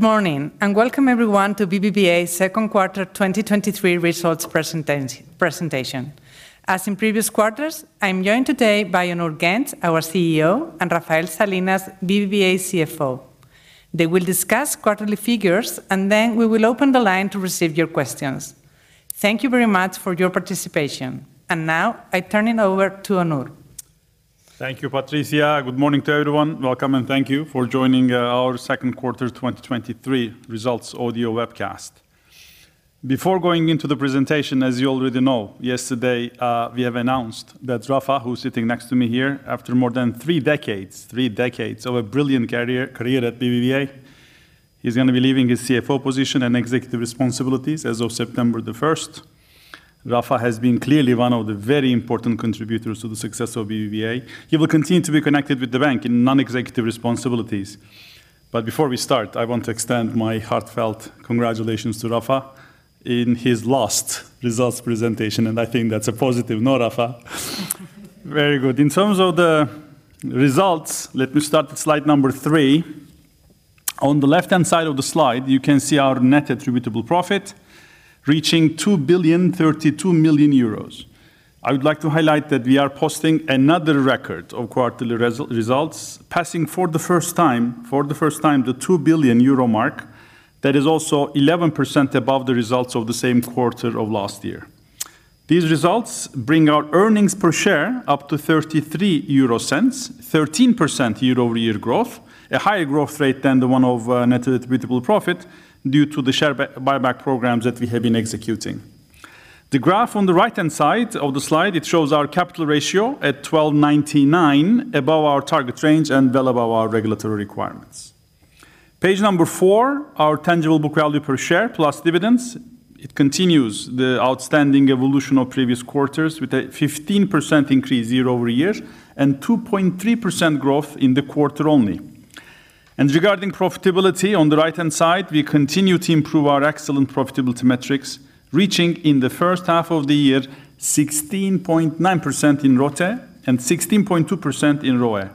Good morning, welcome everyone to BBVA's Second Quarter 2023 Results Presentation. As in previous quarters, I'm joined today by Onur Genç, our CEO, and Rafael Salinas, BBVA CFO. They will discuss quarterly figures, then we will open the line to receive your questions. Thank you very much for your participation. Now, I turn it over to Onur. Thank you, Patricia. Good morning to everyone. Welcome, and thank you for joining our Q2 2023 results audio webcast. Before going into the presentation, as you already know, yesterday, we have announced that Rafa, who's sitting next to me here, after more than three decades, three decades of a brilliant career, career at BBVA, he's gonna be leaving his CFO position and executive responsibilities as of September 1st. Rafa has been clearly one of the very important contributors to the success of BBVA. He will continue to be connected with the bank in non-executive responsibilities. Before we start, I want to extend my heartfelt congratulations to Rafa in his last results presentation, and I think that's a positive. No, Rafa? Very good. In terms of the results, let me start with Slide 3. On the left-hand side of the slide, you can see our net attributable profit reaching 2.032 billion. I would like to highlight that we are posting another record of quarterly result, results, passing for the first time, for the first time, the 2 billion euro mark. That is also 11% above the results of the same quarter of last year. These results bring our earnings per share up to 0.33, 13% YoY growth, a higher growth rate than the one of net attributable profit due to the share buy, buyback programs that we have been executing. The graph on the right-hand side of the slide, it shows our capital ratio at 12.99, above our target range and well above our regulatory requirements. Page 4, our tangible book value per share, plus dividends. It continues the outstanding evolution of previous quarters, with a 15% increase year-over-year, 2.3% growth in the quarter only. Regarding profitability, on the right-hand side, we continue to improve our excellent profitability metrics, reaching, in the first half of the year, 16.9% in ROTE and 16.2% in ROE.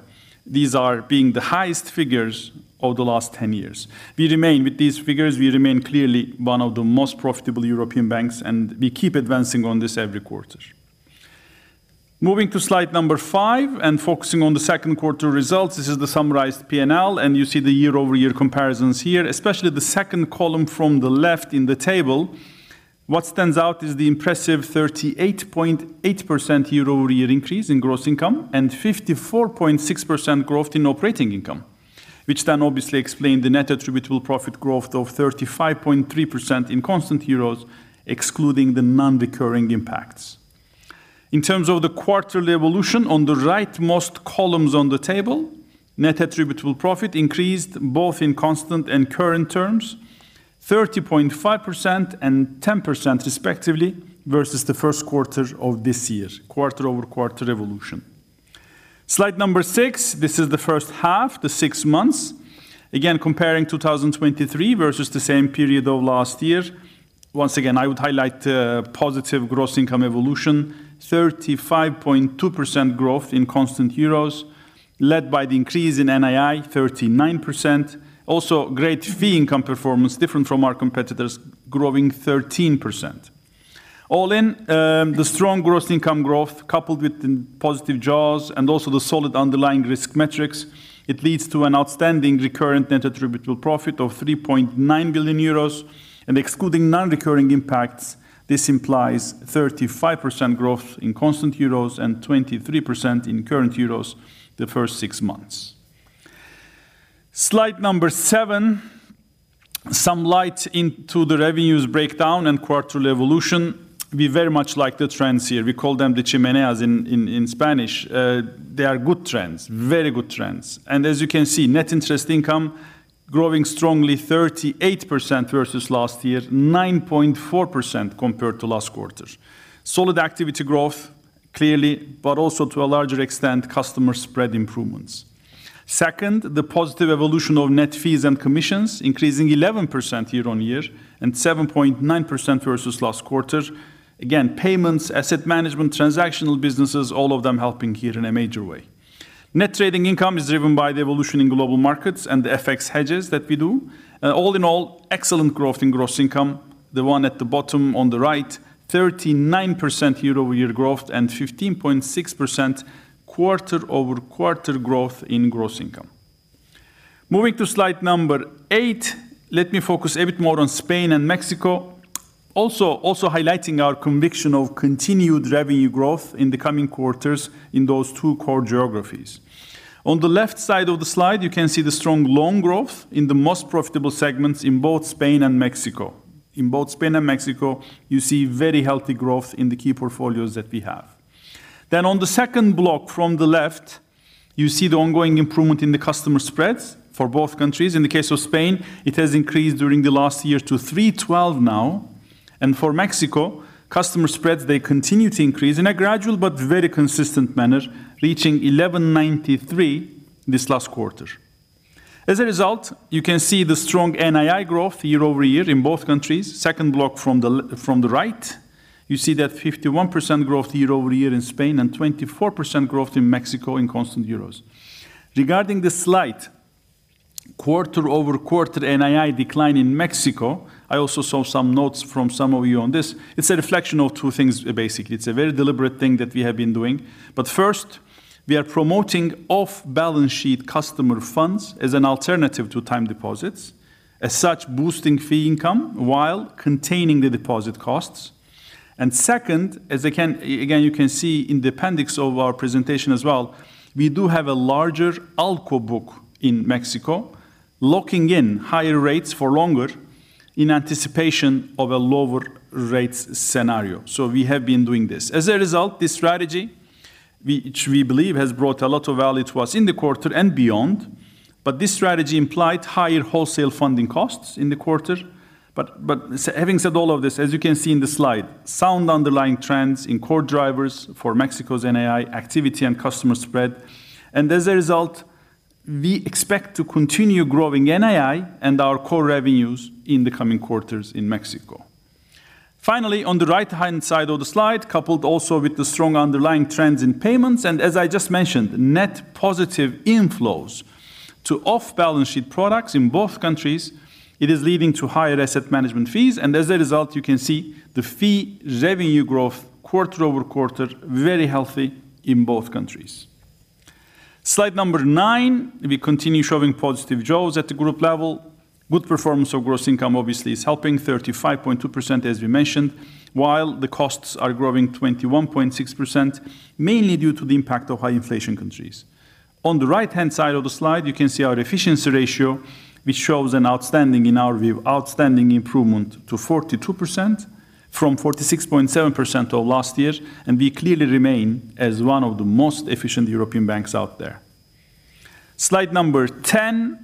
These are being the highest figures of the last 10 years. With these figures, we remain clearly one of the most profitable European banks, and we keep advancing on this every quarter. Moving to Slide 5 and focusing on the second quarter results, this is the summarized P&L, and you see the year-over-year comparisons here, especially the second column from the left in the table. What stands out is the impressive 38.8% YoY increase in gross income, 54.6% growth in operating income, which then obviously explain the net attributable profit growth of 35.3% in constant euros, excluding the non-recurring impacts. In terms of the quarterly evolution, on the right-most columns on the table, net attributable profit increased both in constant and current terms, 30.5% and 10% respectively, versus the 1st quarter of this year, quarter-over-quarter evolution. Slide 6, this is the first half, the six months. Again, comparing 2023 versus the same period of last year. Once again, I would highlight the positive gross income evolution, 35.2% growth in constant euros, led by the increase in NII, 39%. Also, great fee income performance, different from our competitors, growing 13%. All in, the strong gross income growth, coupled with the positive jaws and also the solid underlying risk metrics, it leads to an outstanding recurrent net attributable profit of 3.9 billion euros, and excluding non-recurring impacts, this implies 35% growth in constant euros and 23% in current euros the first 6 months. Slide 7, some light into the revenues breakdown and quarterly evolution. We very much like the trends here. We call them the chimeneas in, in, in Spanish. They are good trends, very good trends. As you can see, Net Interest Income growing strongly, 38% versus last year, 9.4% compared to last quarter. Solid activity growth, clearly, but also to a larger extent, customer spread improvements. Second, the positive evolution of net fees and commissions, increasing 11% YoY and 7.9% versus last quarter. Again, payments, asset management, transactional businesses, all of them helping here in a major way. Net trading income is driven by the evolution in global markets and the FX hedges that we do. All in all, excellent growth in gross income, the one at the bottom on the right, 39% YoY growth and 15.6% QoQ growth in gross income. Moving to Slide 8, let me focus a bit more on Spain and Mexico. Also, also highlighting our conviction of continued revenue growth in the coming quarters in those two core geographies. On the left side of the slide, you can see the strong loan growth in the most profitable segments in both Spain and Mexico. In both Spain and Mexico, you see very healthy growth in the key portfolios that we have. On the second block from the left, you see the ongoing improvement in the customer spreads for both countries. In the case of Spain, it has increased during the last year to 3.12 now, for Mexico, customer spreads, they continue to increase in a gradual but very consistent manner, reaching 11.93 this last quarter. As a result, you can see the strong NII growth year-over-year in both countries, second block from the right. You see that 51% growth year-over-year in Spain and 24% growth in Mexico in constant EUR. Regarding the slight quarter-over-quarter NII decline in Mexico, I also saw some notes from some of you on this. It's a reflection of two things, basically. It's a very deliberate thing that we have been doing. First, we are promoting off-balance-sheet customer funds as an alternative to time deposits, as such, boosting fee income while containing the deposit costs. Second, as again, you can see in the appendix of our presentation as well, we do have a larger ALCO book in Mexico, locking in higher rates for longer in anticipation of a lower rates scenario. We have been doing this. As a result, this strategy, which we believe has brought a lot of value to us in the quarter and beyond, but this strategy implied higher wholesale funding costs in the quarter. Having said all of this, as you can see in the slide, sound underlying trends in core drivers for Mexico's NII activity and customer spread, and as a result, we expect to continue growing NII and our core revenues in the coming quarters in Mexico. Finally, on the right-hand side of the slide, coupled also with the strong underlying trends in payments, and as I just mentioned, net positive inflows to off-balance-sheet products in both countries, it is leading to higher asset management fees, and as a result, you can see the fee revenue growth quarter-over-quarter, very healthy in both countries. Slide 9 we continue showing positive jaws at the group level. Good performance of gross income obviously is helping, 35.2%, as we mentioned, while the costs are growing 21.6%, mainly due to the impact of high inflation countries. On the right-hand side of the slide, you can see our efficiency ratio, which shows an outstanding, in our view, outstanding improvement to 42% from 46.7% of last year, and we clearly remain as one of the most efficient European banks out there. Slide 10.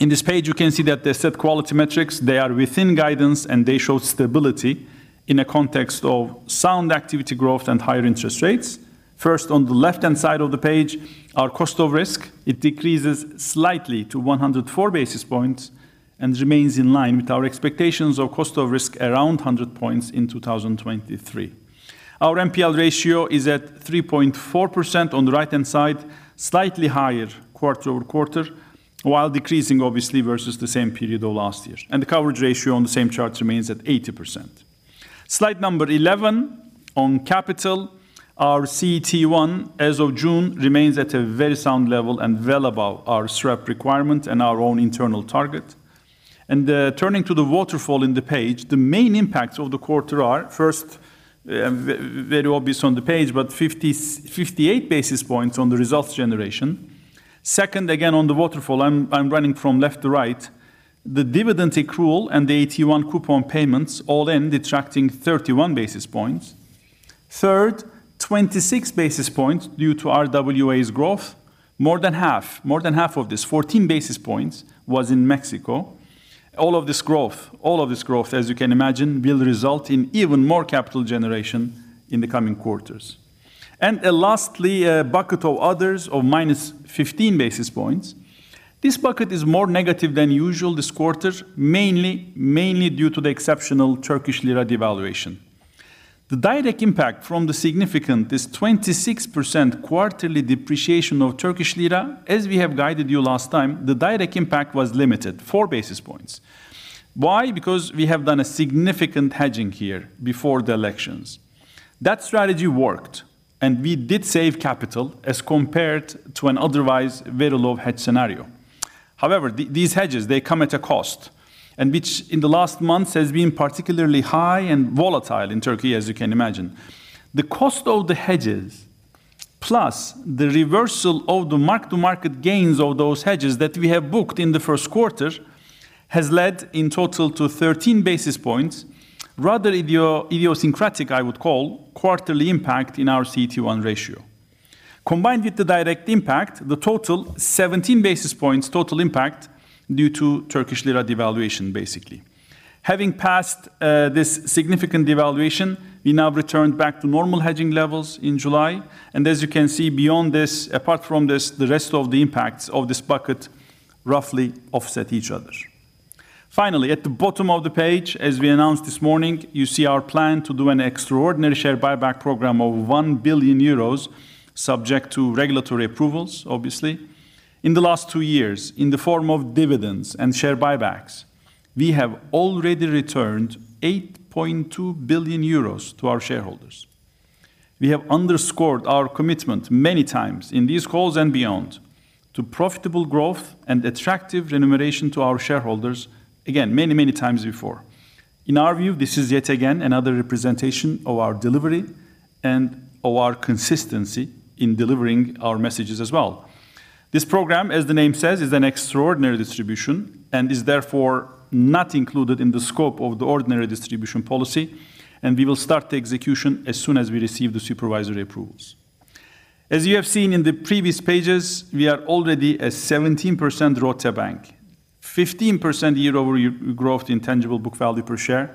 In this page, you can see that the asset quality metrics, they are within guidance, and they show stability in a context of sound activity growth and higher interest rates. First, on the left-hand side of the page, our cost of risk, it decreases slightly to 104 basis points and remains in line with our expectations of cost of risk, around 100 points in 2023. Our NPL ratio is at 3.4% on the right-hand side, slightly higher quarter-over-quarter, while decreasing obviously versus the same period of last year, and the coverage ratio on the same chart remains at 80%. Slide 11 on capital. Our CET1, as of June, remains at a very sound level and well above our SREP requirement and our own internal target. Turning to the waterfall in the page, the main impacts of the quarter are, first, very obvious on the page, but 58 basis points on the results generation. Second, again, on the waterfall, I'm, I'm running from left to right, the dividend accrual and the AT1 coupon payments, all in detracting 31 basis points. Third, 26 basis points due to our RWA's growth. More than half, more than half of this, 14 basis points, was in Mexico. All of this growth, all of this growth, as you can imagine, will result in even more capital generation in the coming quarters. Lastly, a bucket of others of -15 basis points. This bucket is more negative than usual this quarter, mainly, mainly due to the exceptional Turkish lira devaluation. The direct impact from the significant, this 26% quarterly depreciation of Turkish lira, as we have guided you last time, the direct impact was limited: 4 basis points. Why? Because we have done a significant hedging here before the elections. That strategy worked, we did save capital as compared to an otherwise very low hedge scenario. However, these hedges, they come at a cost, which in the last months has been particularly high and volatile in Turkey, as you can imagine. The cost of the hedges, plus the reversal of the mark-to-market gains of those hedges that we have booked in the first quarter, has led in total to 13 basis points, rather idiosyncratic, I would call, quarterly impact in our CET1 ratio. Combined with the direct impact, the total 17 basis points, total impact due to Turkish lira devaluation, basically. Having passed this significant devaluation, we now returned back to normal hedging levels in July, as you can see beyond this, apart from this, the rest of the impacts of this bucket roughly offset each other. Finally, at the bottom of the page, as we announced this morning, you see our plan to do an extraordinary share buyback program of 1 billion euros, subject to regulatory approvals, obviously. In the last 2 years, in the form of dividends and share buybacks, we have already returned 8.2 billion euros to our shareholders. We have underscored our commitment many times in these calls and beyond to profitable growth and attractive remuneration to our shareholders, again, many, many times before. In our view, this is yet again another representation of our delivery and of our consistency in delivering our messages as well. This program, as the name says, is an extraordinary distribution and is therefore not included in the scope of the ordinary distribution policy, and we will start the execution as soon as we receive the supervisory approvals. As you have seen in the previous pages, we are already a 17% ROTE bank, 15% YoY growth in tangible book value per share.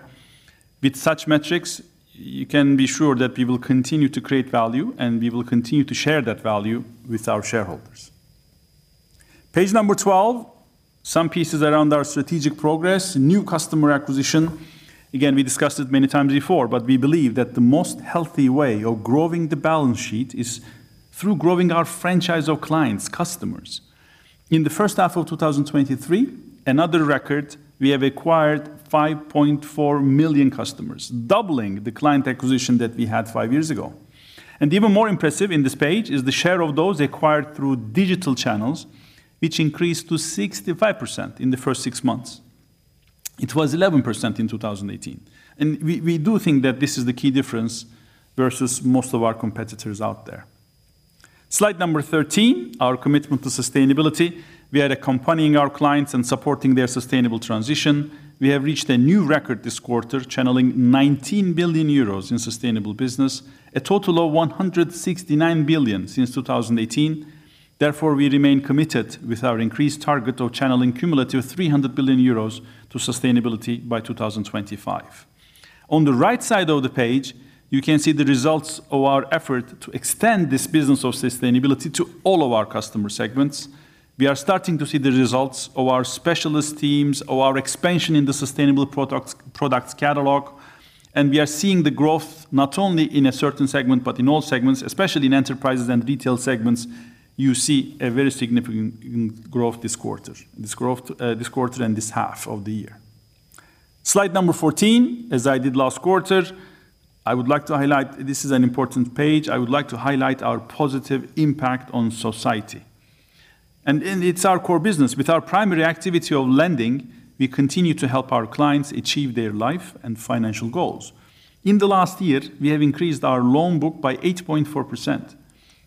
With such metrics, you can be sure that we will continue to create value, and we will continue to share that value with our shareholders. Page number 12, some pieces around our strategic progress. New customer acquisition, again, we discussed it many times before, but we believe that the most healthy way of growing the balance sheet is through growing our franchise of clients, customers. In the first half of 2023, another record, we have acquired 5.4 million customers, doubling the client acquisition that we had five years ago. Even more impressive in this page is the share of those acquired through digital channels, which increased to 65% in the first six months. It was 11% in 2018. We, we do think that this is the key difference versus most of our competitors out there. Slide 13, our commitment to sustainability. We are accompanying our clients and supporting their sustainable transition. We have reached a new record this quarter, channeling 19 billion euros in sustainable business, a total of 169 billion since 2018. We remain committed with our increased target of channeling cumulative 300 billion euros to sustainability by 2025. On the right side of the page, you can see the results of our effort to extend this business of sustainability to all of our customer segments. We are starting to see the results of our specialist teams, of our expansion in the sustainable products, products catalog. We are seeing the growth not only in a certain segment, but in all segments, especially in enterprises and retail segments, you see a very significant growth this quarter. This growth, this quarter and this half of the year. Slide 14, as I did last quarter, I would like to highlight. This is an important page. I would like to highlight our positive impact on society. It's our core business. With our primary activity of lending, we continue to help our clients achieve their life and financial goals. In the last year, we have increased our loan book by 8.4%.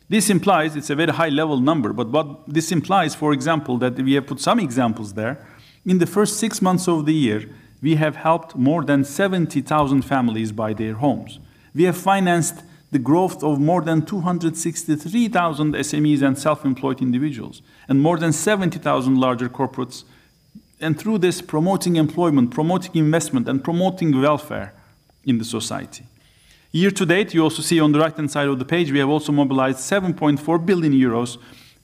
This implies it's a very high-level number, but what this implies, for example, that we have put some examples there. In the first 6 months of the year, we have helped more than 70,000 families buy their homes. We have financed the growth of more than 263,000 SMEs and self-employed individuals, and more than 70,000 larger corporates, and through this, promoting employment, promoting investment, and promoting welfare in the society. Year to date, you also see on the right-hand side of the page, we have also mobilized 7.4 billion euros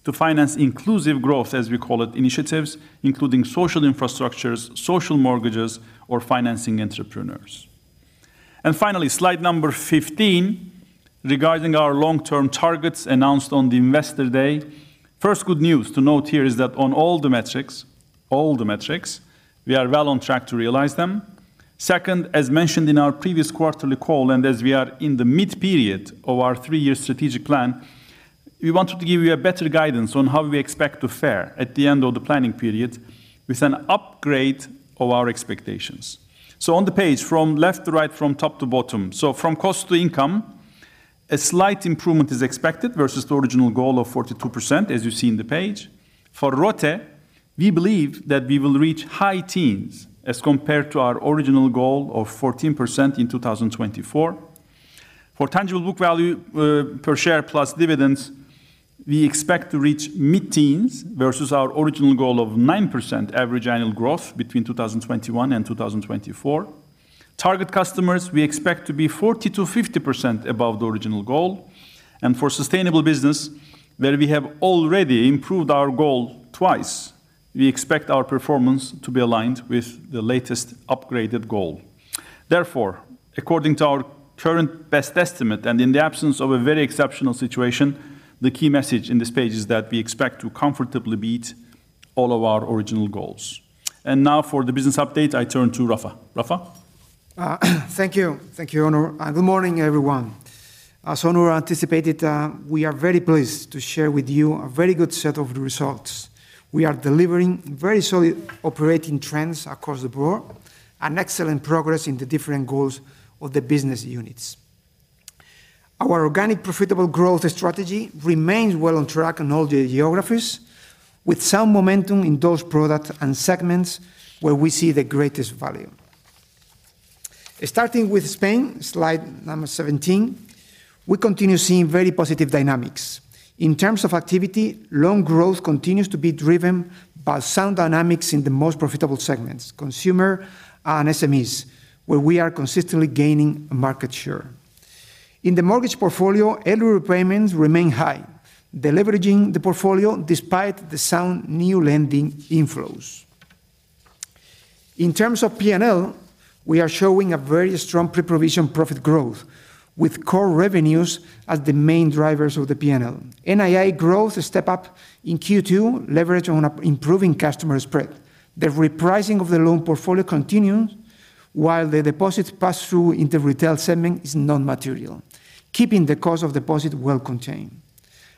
to finance inclusive growth, as we call it, initiatives, including social infrastructures, social mortgages or financing entrepreneurs. Finally, Slide 15, regarding our long-term targets announced on the Investor Day. First good news to note here is that on all the metrics, all the metrics, we are well on track to realize them. Second, as mentioned in our previous quarterly call, as we are in the mid-period of our 3-year strategic plan, we wanted to give you a better guidance on how we expect to fare at the end of the planning period with an upgrade of our expectations. On the page, from left to right, from top to bottom, from cost to income, a slight improvement is expected versus the original goal of 42%, as you see in the page. For ROTE, we believe that we will reach high teens as compared to our original goal of 14% in 2024. For tangible book value per share plus dividends, we expect to reach mid-teens versus our original goal of 9% average annual growth between 2021 and 2024. Target customers, we expect to be 40%-50% above the original goal. For sustainable business, where we have already improved our goal twice, we expect our performance to be aligned with the latest upgraded goal. Therefore, according to our current best estimate, and in the absence of a very exceptional situation, the key message in this page is that we expect to comfortably beat all of our original goals. Now for the business update, I turn to Rafa. Rafa? Thank you. Thank you, Onur. Good morning, everyone. As Onur anticipated, we are very pleased to share with you a very good set of results. We are delivering very solid operating trends across the board and excellent progress in the different goals of the business units. Our organic, profitable growth strategy remains well on track in all the geographies, with some momentum in those products and segments where we see the greatest value. Starting with Spain, Slide 17, we continue seeing very positive dynamics. In terms of activity, loan growth continues to be driven by sound dynamics in the most profitable segments, consumer and SMEs, where we are consistently gaining market share. In the mortgage portfolio, early repayments remain high, deleveraging the portfolio despite the sound new lending inflows. In terms of P&L, we are showing a very strong pre-provision profit growth, with core revenues as the main drivers of the P&L. NII growth step up in Q2, leverage on improving customer spread. The repricing of the loan portfolio continues, while the deposits pass-through in the retail segment is non-material, keeping the cost of deposit well contained.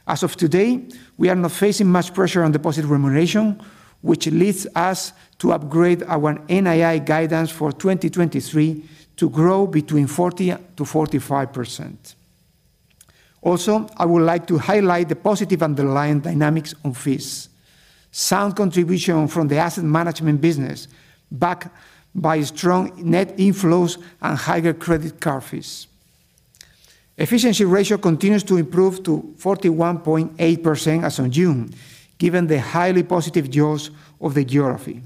As of today, we are not facing much pressure on deposit remuneration, which leads us to upgrade our NII guidance for 2023 to grow between 40%-45%. Also, I would like to highlight the positive underlying dynamics on fees. Sound contribution from the asset management business, backed by strong net inflows and higher credit card fees. Efficiency ratio continues to improve to 41.8% as on June, given the highly positive yields of the geography.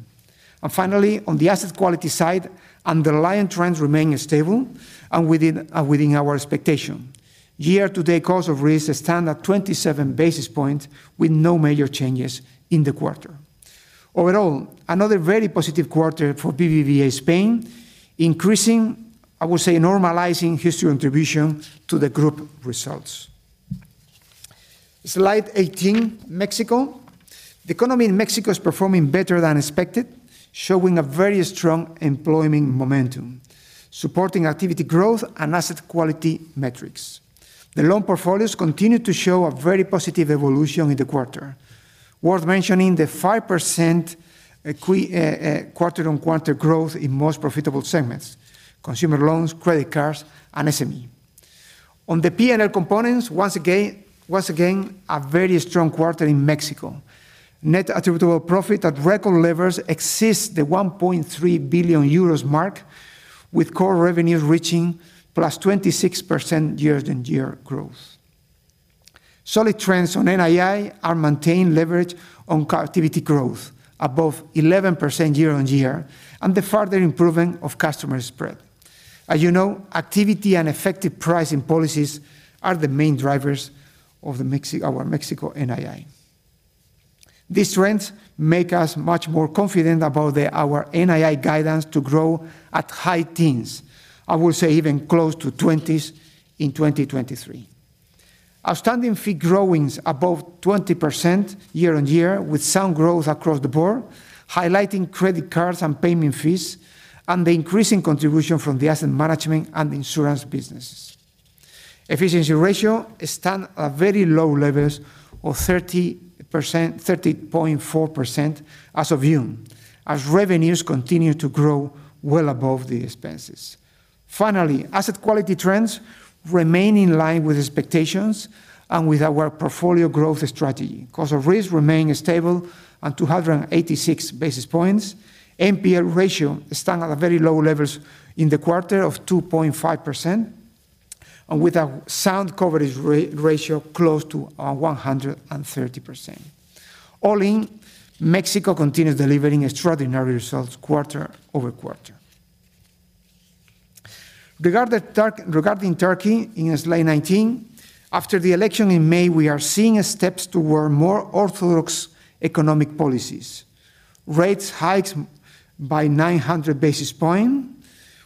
Finally, on the asset quality side, underlying trends remain stable and within, within our expectation. Year-to-date cost of risk stand at 27 basis points, with no major changes in the quarter. Overall, another very positive quarter for BBVA Spain, increasing, I would say, normalizing his contribution to the group results. Slide 18, Mexico. The economy in Mexico is performing better than expected, showing a very strong employment momentum, supporting activity growth and asset quality metrics. The loan portfolios continue to show a very positive evolution in the quarter. Worth mentioning, the 5% QoQ growth in most profitable segments: consumer loans, credit cards, and SME. On the P&L components, once again, once again, a very strong quarter in Mexico. Net attributable profit at record levels exceeds the 1.3 billion euros mark, with core revenues reaching +26% YoY growth. Solid trends on NII are maintained leverage on activity growth, above 11% YoY, and the further improvement of customer spread. As you know, activity and effective pricing policies are the main drivers of our Mexico NII. These trends make us much more confident about the, our NII guidance to grow at high teens. I would say even close to twenties in 2023. Outstanding fee growth is above 20% YoY, with sound growth across the board, highlighting credit cards and payment fees, and the increasing contribution from the asset management and insurance businesses. Efficiency ratio stand at very low levels of 30%, 30.4% as of June, as revenues continue to grow well above the expenses. Asset quality trends remain in line with expectations and with our portfolio growth strategy. Cost of risk remain stable at 286 basis points. NPL ratio stand at a very low levels in the quarter of 2.5%, and with a sound coverage ratio close to 130%. All in, Mexico continues delivering extraordinary results quarter-over-quarter. Regarding Turkey, in Slide 19, after the election in May, we are seeing steps toward more orthodox economic policies. Rates hiked by 900 basis points.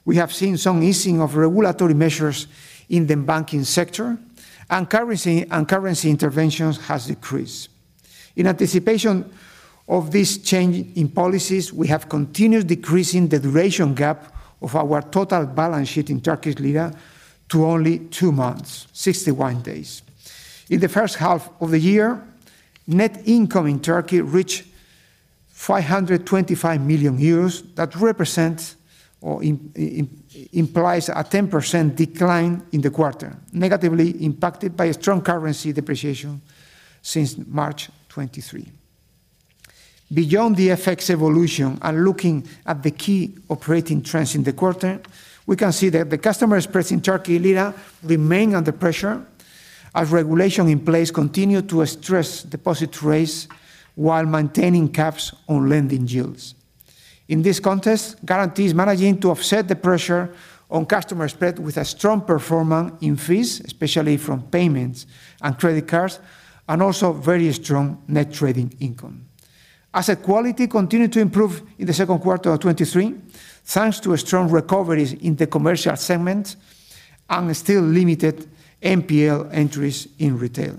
We have seen some easing of regulatory measures in the banking sector, and currency interventions has decreased. In anticipation of this change in policies, we have continued decreasing the duration gap of our total balance sheet in Turkish lira to only 2 months, 61 days. In the first half of the year, net income in Turkey reached 525 million euros. That represents or implies a 10% decline in the quarter, negatively impacted by a strong currency depreciation since March 2023. Beyond the effects evolution and looking at the key operating trends in the quarter, we can see that the customer spread in Turkish lira remain under pressure, as regulation in place continue to stress deposit rates while maintaining caps on lending yields. In this context, Garanti managing to offset the pressure on customer spread with a strong performance in fees, especially from payments and credit cards, and also very strong net trading income. Asset quality continued to improve in the second quarter of 2023, thanks to strong recoveries in the commercial segment and still limited NPL entries in retail.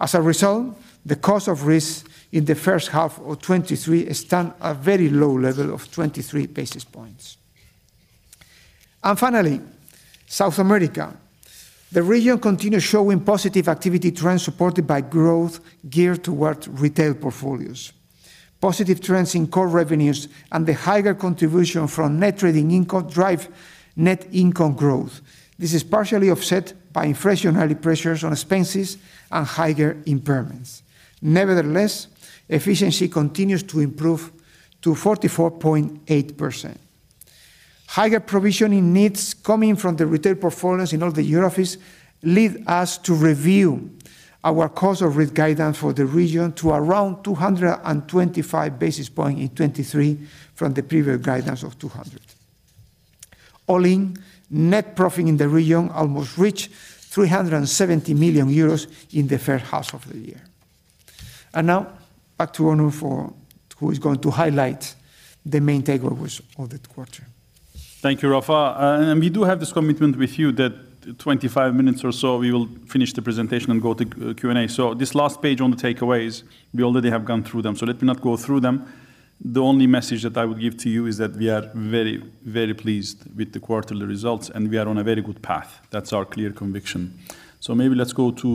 As a result, the cost of risk in the first half of 2023 stand a very low level of 23 basis points. Finally, South America. The region continues showing positive activity trends, supported by growth geared towards retail portfolios. Positive trends in core revenues and the higher contribution from net trading income drive net income growth. This is partially offset by inflationary pressures on expenses and higher impairments. Nevertheless, efficiency continues to improve to 44.8%. Higher provisioning needs coming from the retail performance in all the offices lead us to review our cost of risk guidance for the region to around 225 basis points in 2023, from the previous guidance of 200. All in, net profit in the region almost reached 370 million euros in the first half of the year. Now, back to Onur, who is going to highlight the main takeaways of the quarter. Thank you, Rafa. We do have this commitment with you that 25 minutes or so, we will finish the presentation and go to Q&A. This last page on the takeaways, we already have gone through them, so let me not go through them. The only message that I would give to you is that we are very, very pleased with the quarterly results, and we are on a very good path. That's our clear conviction. Maybe let's go to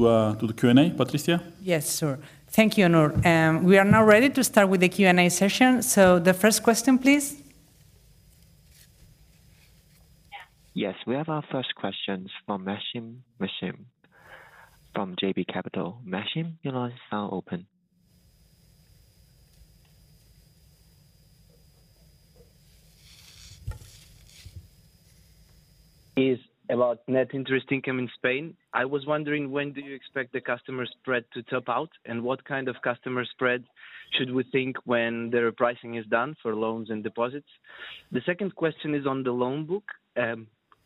the Q&A. Patricia? Yes, sir. Thank you, Onur. We are now ready to start with the Q&A session. The first question, please? Yes, we have our first questions from Maksym Mishyn, from JB Capital. Maksym, your line is now open.... is about Net Interest Income in Spain. I was wondering, when do you expect the customer spread to top out? What kind of customer spread should we think when their pricing is done for loans and deposits? The second question is on the loan book.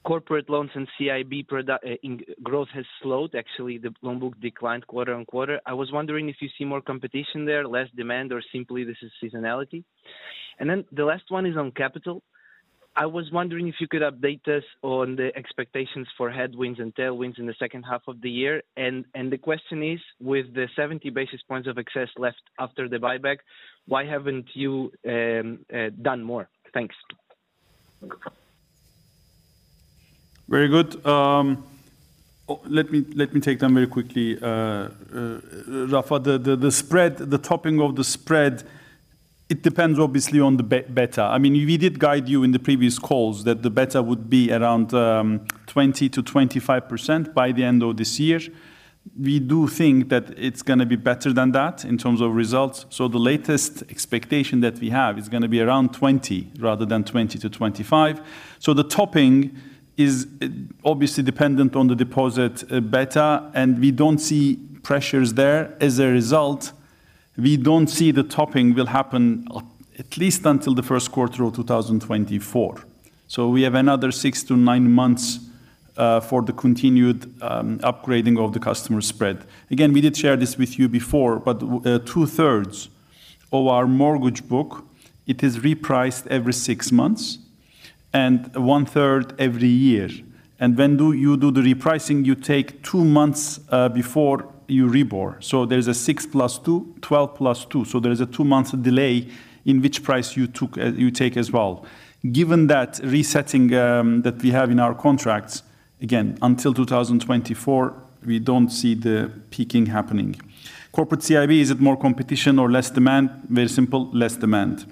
Corporate loans and CIB product in growth has slowed. Actually, the loan book declined quarter-over-quarter. I was wondering if you see more competition there, less demand, or simply this is seasonality. Then the last one is on capital. I was wondering if you could update us on the expectations for headwinds and tailwinds in the second half of the year. The question is, with the 70 basis points of excess left after the buyback, why haven't you done more? Thanks. Very good. Oh, let me, let me take them very quickly. Rafa, the spread, the topping of the spread, it depends obviously on the better. I mean, we did guide you in the previous calls that the better would be around 20%-25% by the end of this year. We do think that it's gonna be better than that in terms of results. The latest expectation that we have is gonna be around 20 rather than 20-25. The topping is obviously dependent on the deposit, better, and we don't see pressures there. As a result, we don't see the topping will happen at least until the first quarter of 2024. We have another 6-9 months for the continued upgrading of the customer spread. We did share this with you before, but 2/3 of our mortgage book, it is repriced every 6 months and 1/3 every year. When do you do the repricing? You take 2 months before you reboard. There's a 6 plus 2, 12 plus 2, so there is a 2-month delay in which price you took, you take as well. Given that resetting that we have in our contracts, again, until 2024, we don't see the peaking happening. Corporate CIB, is it more competition or less demand? Very simple, less demand.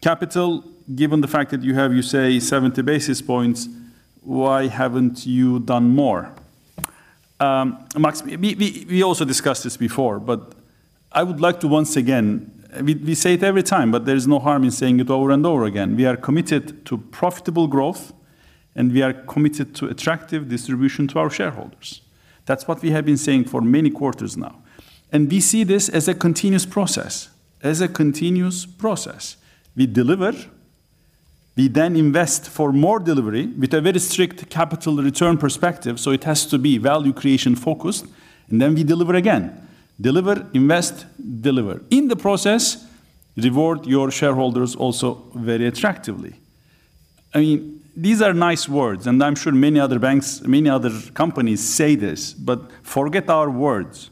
Capital, given the fact that you have, you say, 70 basis points, why haven't you done more? Maksym, we, we, we also discussed this before, but I would like to once again... We say it every time, there is no harm in saying it over and over again. We are committed to profitable growth, we are committed to attractive distribution to our shareholders. That's what we have been saying for many quarters now. We see this as a continuous process, as a continuous process. We deliver, we then invest for more delivery with a very strict capital return perspective, so it has to be value creation-focused, then we deliver again. Deliver, invest, deliver. In the process, reward your shareholders also very attractively. I mean, these are nice words, I'm sure many other banks, many other companies say this, forget our words.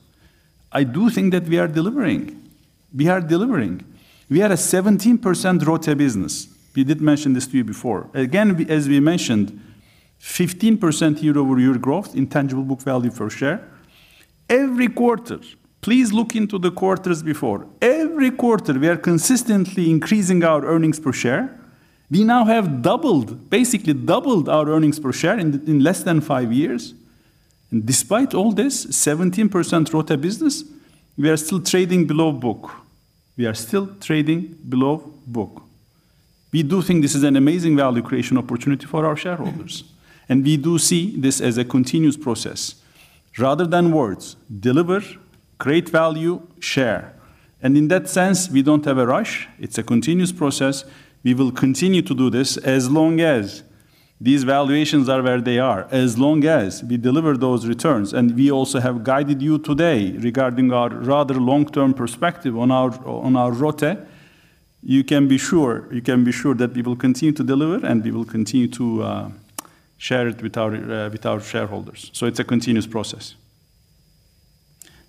I do think that we are delivering. We are delivering. We had a 17% ROATE business. We did mention this to you before. Again, we, as we mentioned, 15% YoY growth in tangible book value per share. Every quarter, please look into the quarters before. Every quarter, we are consistently increasing our earnings per share. We now have doubled, basically doubled our earnings per share in, in less than 5 years. Despite all this 17% ROATE business, we are still trading below book. We are still trading below book. We do think this is an amazing value creation opportunity for our shareholders, and we do see this as a continuous process. Rather than words, deliver, create value, share, and in that sense, we don't have a rush. It's a continuous process. We will continue to do this as long as these valuations are where they are, as long as we deliver those returns. We also have guided you today regarding our rather long-term perspective on our, on our ROATE. You can be sure, you can be sure that we will continue to deliver, and we will continue to share it with our shareholders. It's a continuous process.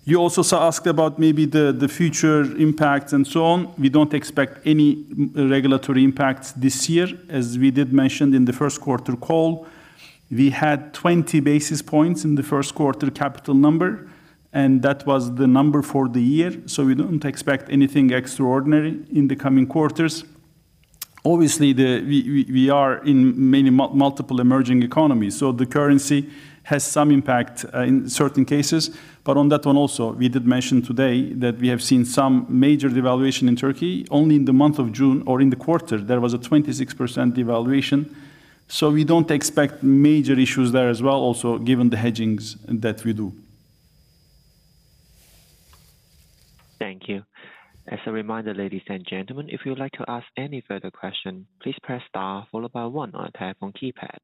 You also asked about maybe the future impact and so on. We don't expect any regulatory impacts this year. As we did mention in the first quarter call, we had 20 basis points in the first quarter capital number, and that was the number for the year. We don't expect anything extraordinary in the coming quarters. Obviously, the We are in many multiple emerging economies. The currency has some impact in certain cases. On that one also, we did mention today that we have seen some major devaluation in Turkey. Only in the month of June or in the quarter, there was a 26% devaluation. We don't expect major issues there as well also, given the hedgings that we do. Thank you. As a reminder, ladies and gentlemen, if you would like to ask any further question, please press star followed by one on your telephone keypad.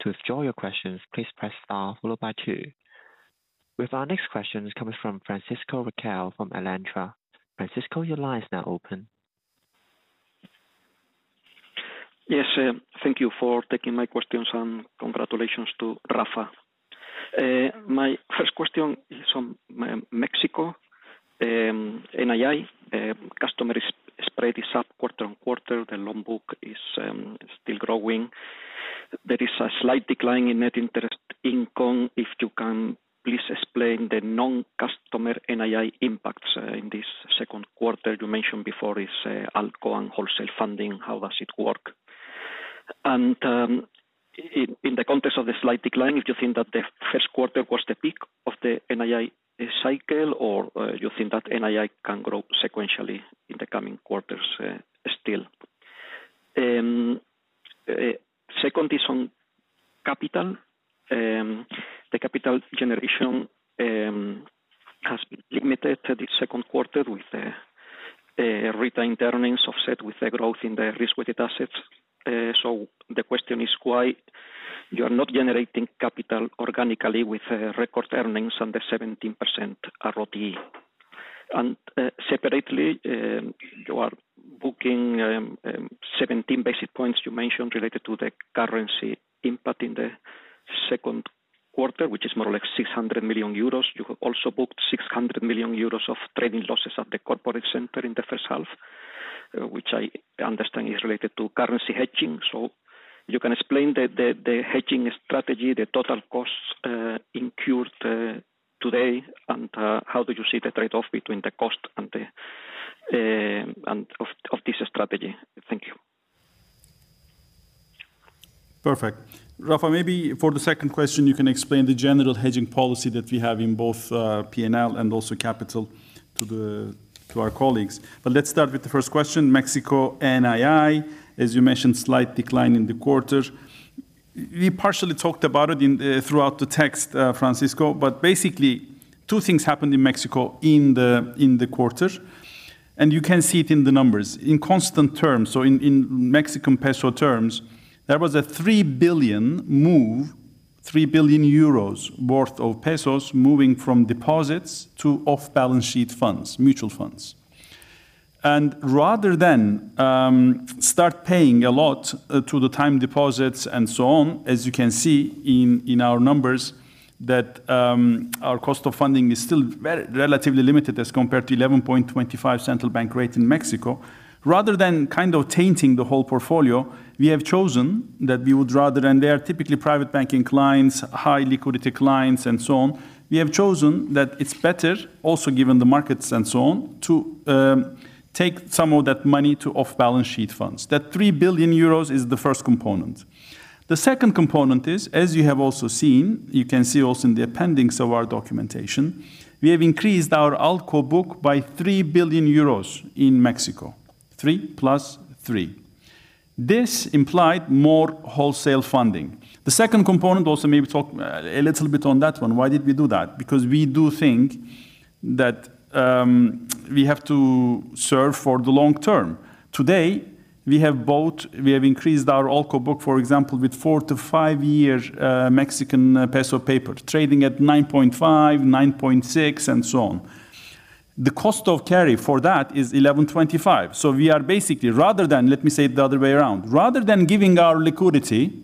To withdraw your questions, please press star followed by two. With our next question comes from Francisco Riquel from Alantra. Francisco, your line is now open. Yes, thank you for taking my questions. Congratulations to Rafa. My first question is on Mexico NII. Spread is up quarter-on-quarter, the loan book is still growing. There is a slight decline in Net Interest Income. If you can please explain the non-customer NII impacts in this second quarter. You mentioned before it's ALCO and wholesale funding, how does it work? In the context of the slight decline, if you think that the first quarter was the peak of the NII cycle, or you think that NII can grow sequentially in the coming quarters still? Second is on capital. The capital generation has been limited to the second quarter with retained earnings offset with a growth in the risk-weighted assets. The question is, why you are not generating capital organically with record earnings on the 17% ROTE? Separately, you are booking 17 basis points you mentioned related to the currency impact in the second quarter, which is more like 600 million euros. You have also booked 600 million euros of trading losses at the corporate center in the first half, which I understand is related to currency hedging. You can explain the hedging strategy, the total costs incurred today, and how do you see the trade-off between the cost and this strategy? Thank you. Perfect. Rafa, maybe for the second question, you can explain the general hedging policy that we have in both P&L and also capital to our colleagues. Let's start with the first question, Mexico NII. As you mentioned, slight decline in the quarter. We partially talked about it in throughout the text, Francisco, but basically, two things happened in Mexico in the quarter, and you can see it in the numbers. In constant terms, so in Mexican peso terms, there was a 3 billion move, 3 billion euros worth of pesos moving from deposits to off-balance sheet funds, mutual funds. Rather than start paying a lot to the time deposits and so on, as you can see in, in our numbers, that our cost of funding is still relatively limited as compared to 11.25% central bank rate in Mexico. Rather than kind of tainting the whole portfolio, we have chosen that we would rather. They are typically private banking clients, high liquidity clients, and so on. We have chosen that it's better, also given the markets and so on, to take some of that money to off-balance sheet funds. That 3 billion euros is the first component. The second component is, as you have also seen, you can see also in the appendix of our documentation, we have increased our ALCO book by 3 billion euros in Mexico, 3 plus 3. This implied more wholesale funding. The second component, also maybe talk a little bit on that one. Why did we do that? We do think that we have to serve for the long term. Today, we have increased our ALCO book, for example, with 4-5-year Mexican peso paper, trading at 9.5, 9.6, and so on. The cost of carry for that is 11.25. We are basically, let me say it the other way around. Rather than giving our liquidity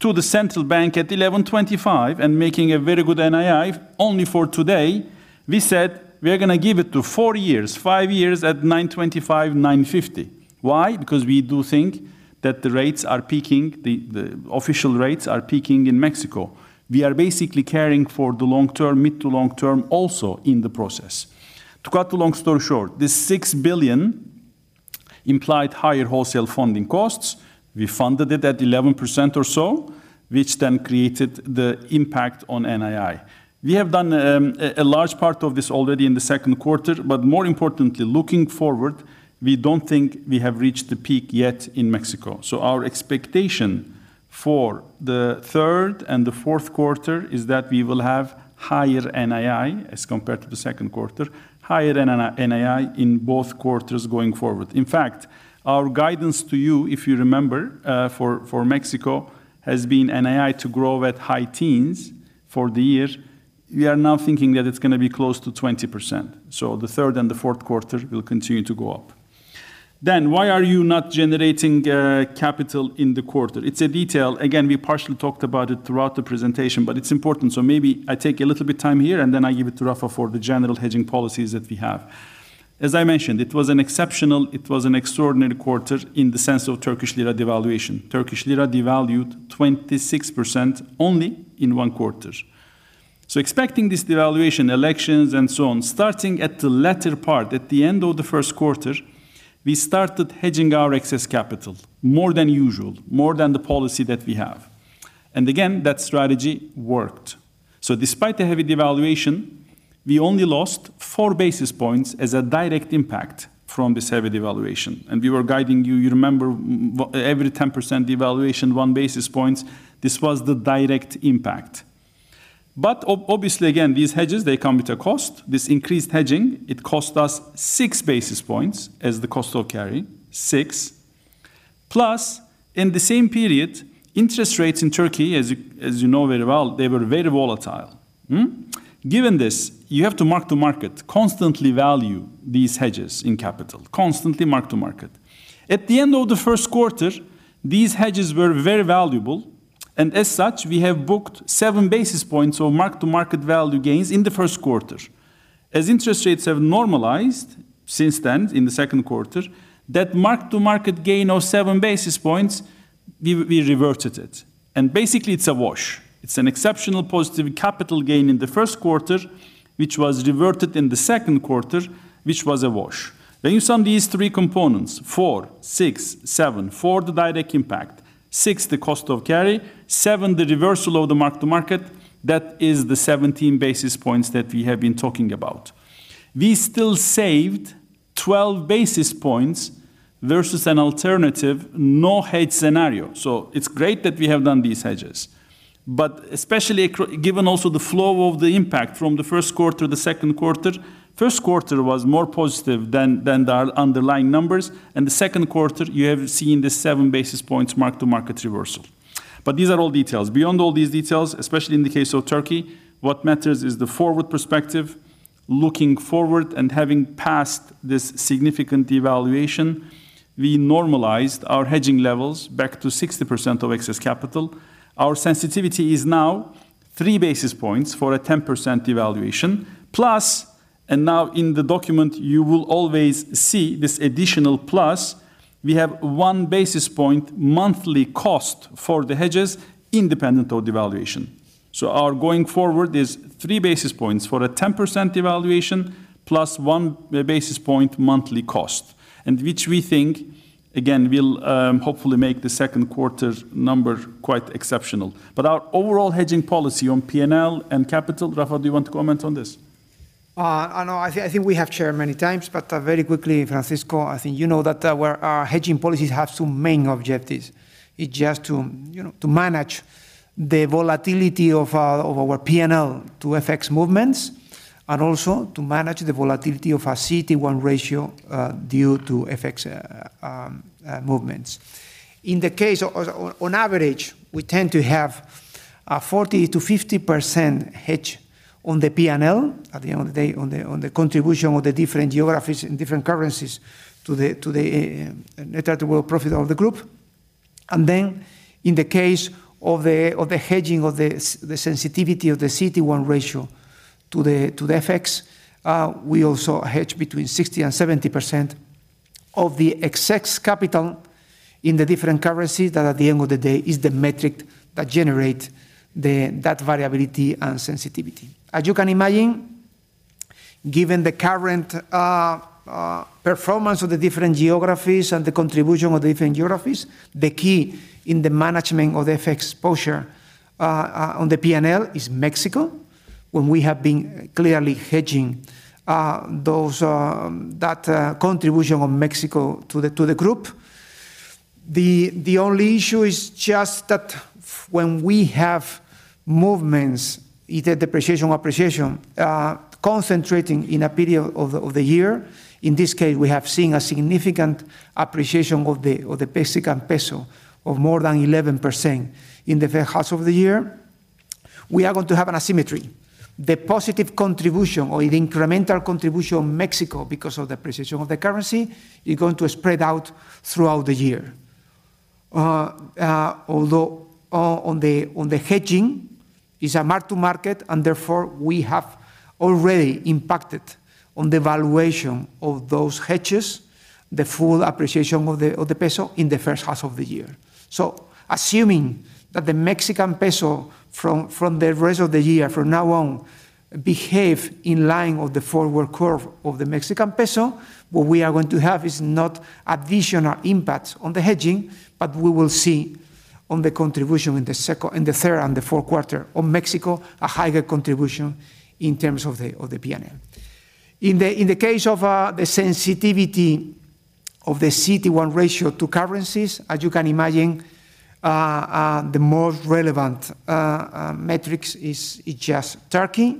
to the central bank at 11.25 and making a very good NII only for today, we said we are going to give it to 4 years, 5 years at 9.25, 9.50. Why? We do think that the rates are peaking, the official rates are peaking in Mexico. We are basically carrying for the long term, mid to long term, also in the process. To cut the long story short, this 6 billion implied higher wholesale funding costs. We funded it at 11% or so, which created the impact on NII. We have done a large part of this already in the second quarter, more importantly, looking forward, we don't think we have reached the peak yet in Mexico. Our expectation for the third and the fourth quarter is that we will have higher NII as compared to the second quarter, higher NII in both quarters going forward. In fact, our guidance to you, if you remember, for Mexico, has been NII to grow at high teens for the year. We are now thinking that it's going to be close to 20%. The 3rd and the 4th quarter will continue to go up. Why are you not generating capital in the quarter? It's a detail. Again, we partially talked about it throughout the presentation, but it's important. Maybe I take a little bit time here, and then I give it to Rafa for the general hedging policies that we have. As I mentioned, it was an exceptional, it was an extraordinary quarter in the sense of Turkish lira devaluation. Turkish lira devalued 26% only in one quarter. Expecting this devaluation, elections, and so on, starting at the latter part, at the end of the 1st quarter, we started hedging our excess capital more than usual, more than the policy that we have. Again, that strategy worked. Despite the heavy devaluation, we only lost 4 basis points as a direct impact from this heavy devaluation, and we were guiding you. You remember every 10% devaluation, 1 basis point, this was the direct impact. Obviously, again, these hedges, they come with a cost. This increased hedging, it cost us 6 basis points as the cost of carry, 6. In the same period, interest rates in Turkey, as you, as you know very well, they were very volatile. Given this, you have to mark to market, constantly value these hedges in capital, constantly mark to market. At the end of the first quarter, these hedges were very valuable, and as such, we have booked 7 basis points of mark-to-market value gains in the first quarter. As interest rates have normalized since then, in the second quarter, that mark-to-market gain of 7 basis points, we reverted it, and basically, it's a wash. It's an exceptional positive capital gain in the first quarter, which was reverted in the second quarter, which was a wash. When you sum these three components, 4, 6, 7, 4, the direct impact. 6, the cost of carry. 7, the reversal of the mark-to-market. That is the 17 basis points that we have been talking about. We still saved 12 basis points versus an alternative no-hedge scenario. It's great that we have done these hedges, but especially given also the flow of the impact from the first quarter to the second quarter, first quarter was more positive than the underlying numbers, and the second quarter, you have seen the 7 basis points mark-to-market reversal. These are all details. Beyond all these details, especially in the case of Turkey, what matters is the forward perspective. Looking forward and having passed this significant devaluation, we normalized our hedging levels back to 60% of excess capital. Our sensitivity is now 3 basis points for a 10% devaluation. Now in the document, you will always see this additional plus, we have 1 basis point monthly cost for the hedges, independent of devaluation. Our going forward is 3 basis points for a 10% devaluation, plus 1 basis point monthly cost, which we think, again, will hopefully make the second quarter number quite exceptional. Our overall hedging policy on P&L and capital, Rafael, do you want to comment on this? I know, I think, I think we have shared many times, but very quickly, Francisco, I think you know that our hedging policies have two main objectives. It's just to, you know, to manage the volatility of our P&L to FX movements, and also to manage the volatility of our CET1 ratio due to FX movements. In the case of, of... On average, we tend to have a 40%-50% hedge on the P&L at the end of the day, on the contribution of the different geographies and different currencies to the net profit of the group. In the case of the, of the hedging of the sensitivity of the CET1 ratio to the FX, we also hedge between 60% and 70% of the excess capital in the different currencies that, at the end of the day, is the metric that generate the, that variability and sensitivity. As you can imagine, given the current performance of the different geographies and the contribution of the different geographies, the key in the management of the FX exposure on the P&L is Mexico, when we have been clearly hedging those, that contribution of Mexico to the group. The, the only issue is just that f- when we have movements, either depreciation or appreciation, concentrating in a period of the, of the year, in this case, we have seen a significant appreciation of the, of the Mexican peso of more than 11% in the first half of the year. We are going to have an asymmetry. The positive contribution or the incremental contribution of Mexico because of the precision of the currency, is going to spread out throughout the year. Although, on the, on the hedging, is a mark-to-market, and therefore, we have already impacted on the valuation of those hedges, the full appreciation of the, of the peso in the first half of the year. Assuming that the Mexican peso from, from the rest of the year, from now on, behave in line with the forward curve of the Mexican peso, what we are going to have is not additional impact on the hedging, but we will see on the contribution in the second, in the third, and the fourth quarter of Mexico, a higher contribution in terms of the, of the P&L. In the, in the case of the sensitivity of the CET1 ratio to currencies, as you can imagine, the most relevant metrics is just Turkey.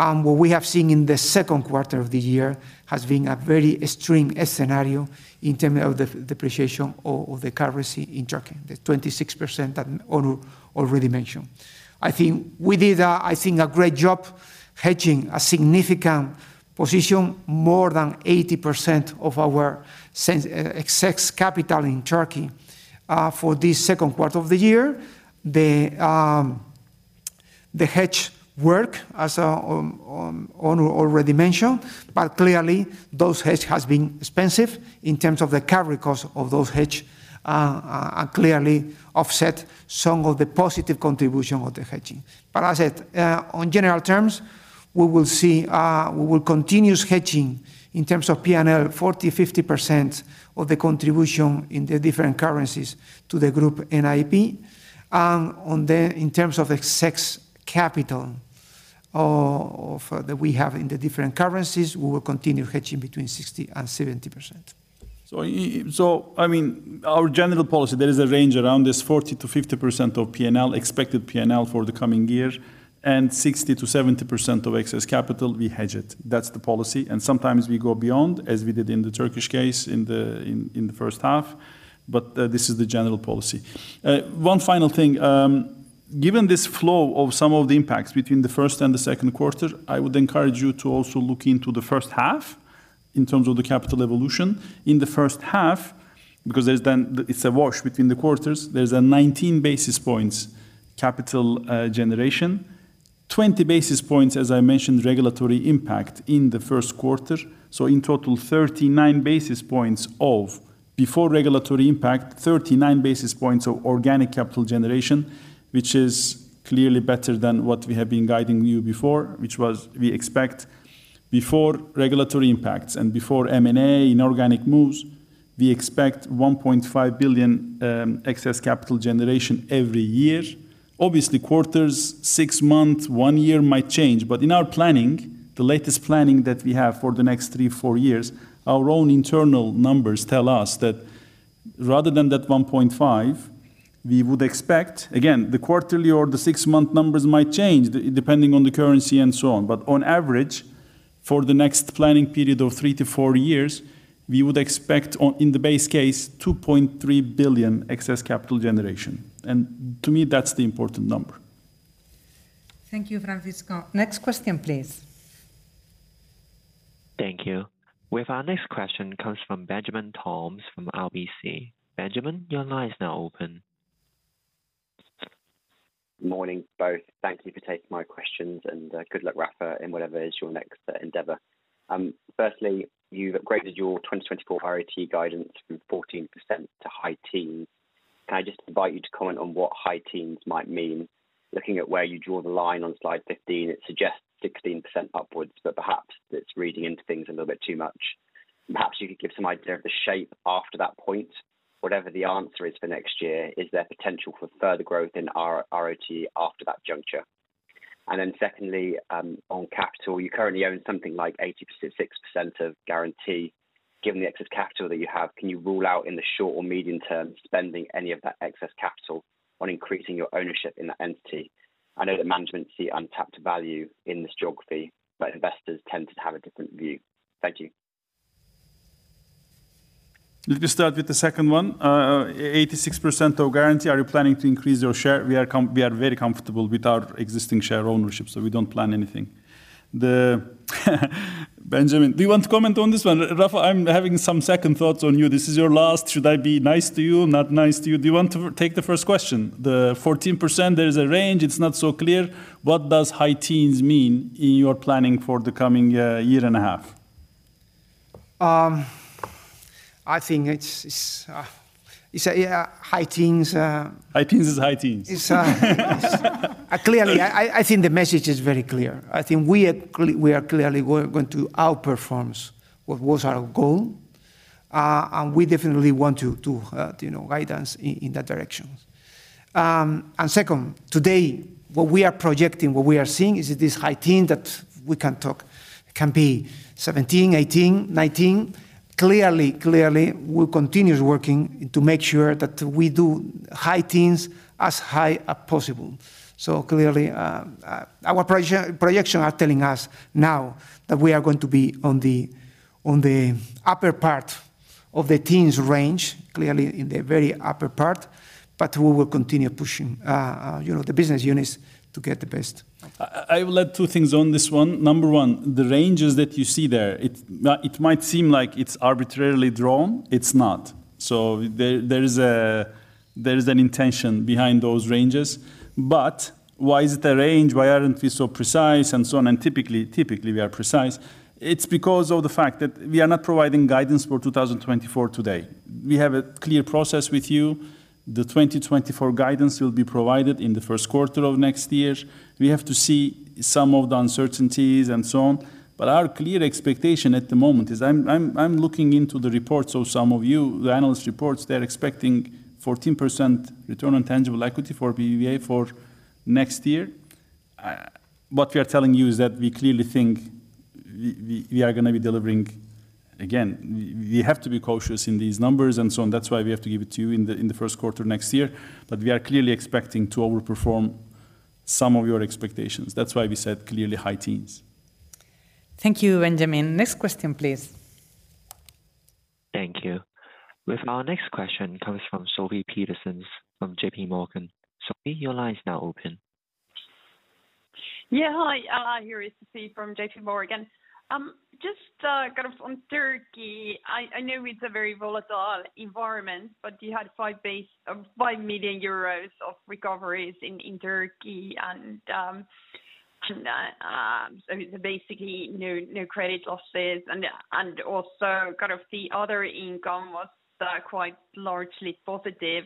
And what we have seen in the second quarter of the year has been a very extreme scenario in terms of the depreciation of the currency in Turkey, the 26% that Onur already mentioned. I think we did, I think, a great job hedging a significant position, more than 80% of our sense, excess capital in Turkey, for this 2Q of the year. The, the hedge work, as Onur already mentioned, Clearly those hedge has been expensive in terms of the carry cost of those hedge, and clearly offset some of the positive contribution of the hedging. As I said, on general terms, we will see, we will continue hedging in terms of P&L, 40%-50% of the contribution in the different currencies to the group NII. On the, in terms of excess capital, of, that we have in the different currencies, we will continue hedging between 60% and 70%. I mean, our general policy, there is a range around this 40%-50% of P&L, expected P&L for the coming year, and 60%-70% of excess capital, we hedge it. That's the policy, and sometimes we go beyond, as we did in the Turkish case, in the, in, in the first half, but this is the general policy. One final thing. Given this flow of some of the impacts between the first and the second quarter, I would encourage you to also look into the first half in terms of the capital evolution. In the first half, because there's it's a wash between the quarters. There's a 19 basis points capital generation, 20 basis points, as I mentioned, regulatory impact in the first quarter. In total, 39 basis points of before regulatory impact, 39 basis points of organic capital generation, which is clearly better than what we have been guiding you before, which was we expect before regulatory impacts and before M&A inorganic moves, we expect 1.5 billion excess capital generation every year. Obviously, quarters, 6 months, 1 year might change. In our planning, the latest planning that we have for the next 3, 4 years, our own internal numbers tell us that rather than that 1.5 billion, we would expect, again, the quarterly or the 6-month numbers might change depending on the currency and so on. On average, for the next planning period of 3-4 years, we would expect in the base case, 2.3 billion excess capital generation. To me, that's the important number. Thank you, Francisco. Next question, please. Thank you. With our next question comes from Benjamin Toms from RBC. Benjamin, your line is now open. Morning, both. Thank you for taking my questions, and good luck, Rafa, in whatever is your next endeavor. Firstly, you've upgraded your 2024 ROTE guidance from 14% to high teens. Can I just invite you to comment on what high teens might mean? Looking at where you draw the line on Slide 15, it suggests 16% upwards, but perhaps it's reading into things a little bit too much. Perhaps you could give some idea of the shape after that point. Whatever the answer is for next year, is there potential for further growth in ROTE after that juncture? Then secondly, on capital, you currently own something like 80%, 6% of Garanti. Given the excess capital that you have, can you rule out, in the short or medium term, spending any of that excess capital on increasing your ownership in that entity? I know that management see untapped value in this geography, but investors tend to have a different view. Thank you. Let me start with the second one. 86% of Garanti, are you planning to increase your share? We are very comfortable with our existing share ownership, we don't plan anything. Benjamin, do you want to comment on this one? Rafa, I'm having some second thoughts on you. This is your last. Should I be nice to you, not nice to you? Do you want to take the first question? The 14%, there is a range, it's not so clear. What does high teens mean in your planning for the coming year and a half? I think it's, it's, you say, yeah, high teens. High teens is high teens. It's. Clearly, I think the message is very clear. I think we are clearly we're going to outperforms what was our goal. We definitely want to, you know, guide us in, in that direction. Second, today, what we are projecting, what we are seeing is that this high teen, that we can talk, can be 17, 18, 19. Clearly, clearly, we'll continue working to make sure that we do high teens as high as possible. Clearly, our projection are telling us now that we are going to be on the, on the upper part of the teens range, clearly in the very upper part, but we will continue pushing, you know, the business units to get the best. I will add 2 things on this one. Number 1, the ranges that you see there, it, it might seem like it's arbitrarily drawn. It's not. There, there is a, there is an intention behind those ranges. Why is it a range? Why aren't we so precise and so on? Typically, typically, we are precise. It's because of the fact that we are not providing guidance for 2024 today. We have a clear process with you. The 2024 guidance will be provided in the first quarter of next year. We have to see some of the uncertainties and so on. Our clear expectation at the moment is I'm looking into the reports of some of you, the analyst reports, they're expecting 14% return on tangible equity for BBVA for next year. What we are telling you is that we clearly think we are gonna be delivering. Again, we have to be cautious in these numbers, and so that's why we have to give it to you in the first quarter next year. We are clearly expecting to overperform some of your expectations. That's why we said clearly high teens. Thank you, Benjamin. Next question, please. Thank you. With our next question comes from Sofie Peterzens from J.P. Morgan. Sofie, your line is now open. Yeah, hi, here is Sofie from J.P. Morgan. Just kind of on Turkey, I, I know it's a very volatile environment, but you had 5 million euros of recoveries in Turkey, and so basically, no, no credit losses and also kind of the other income was quite largely positive,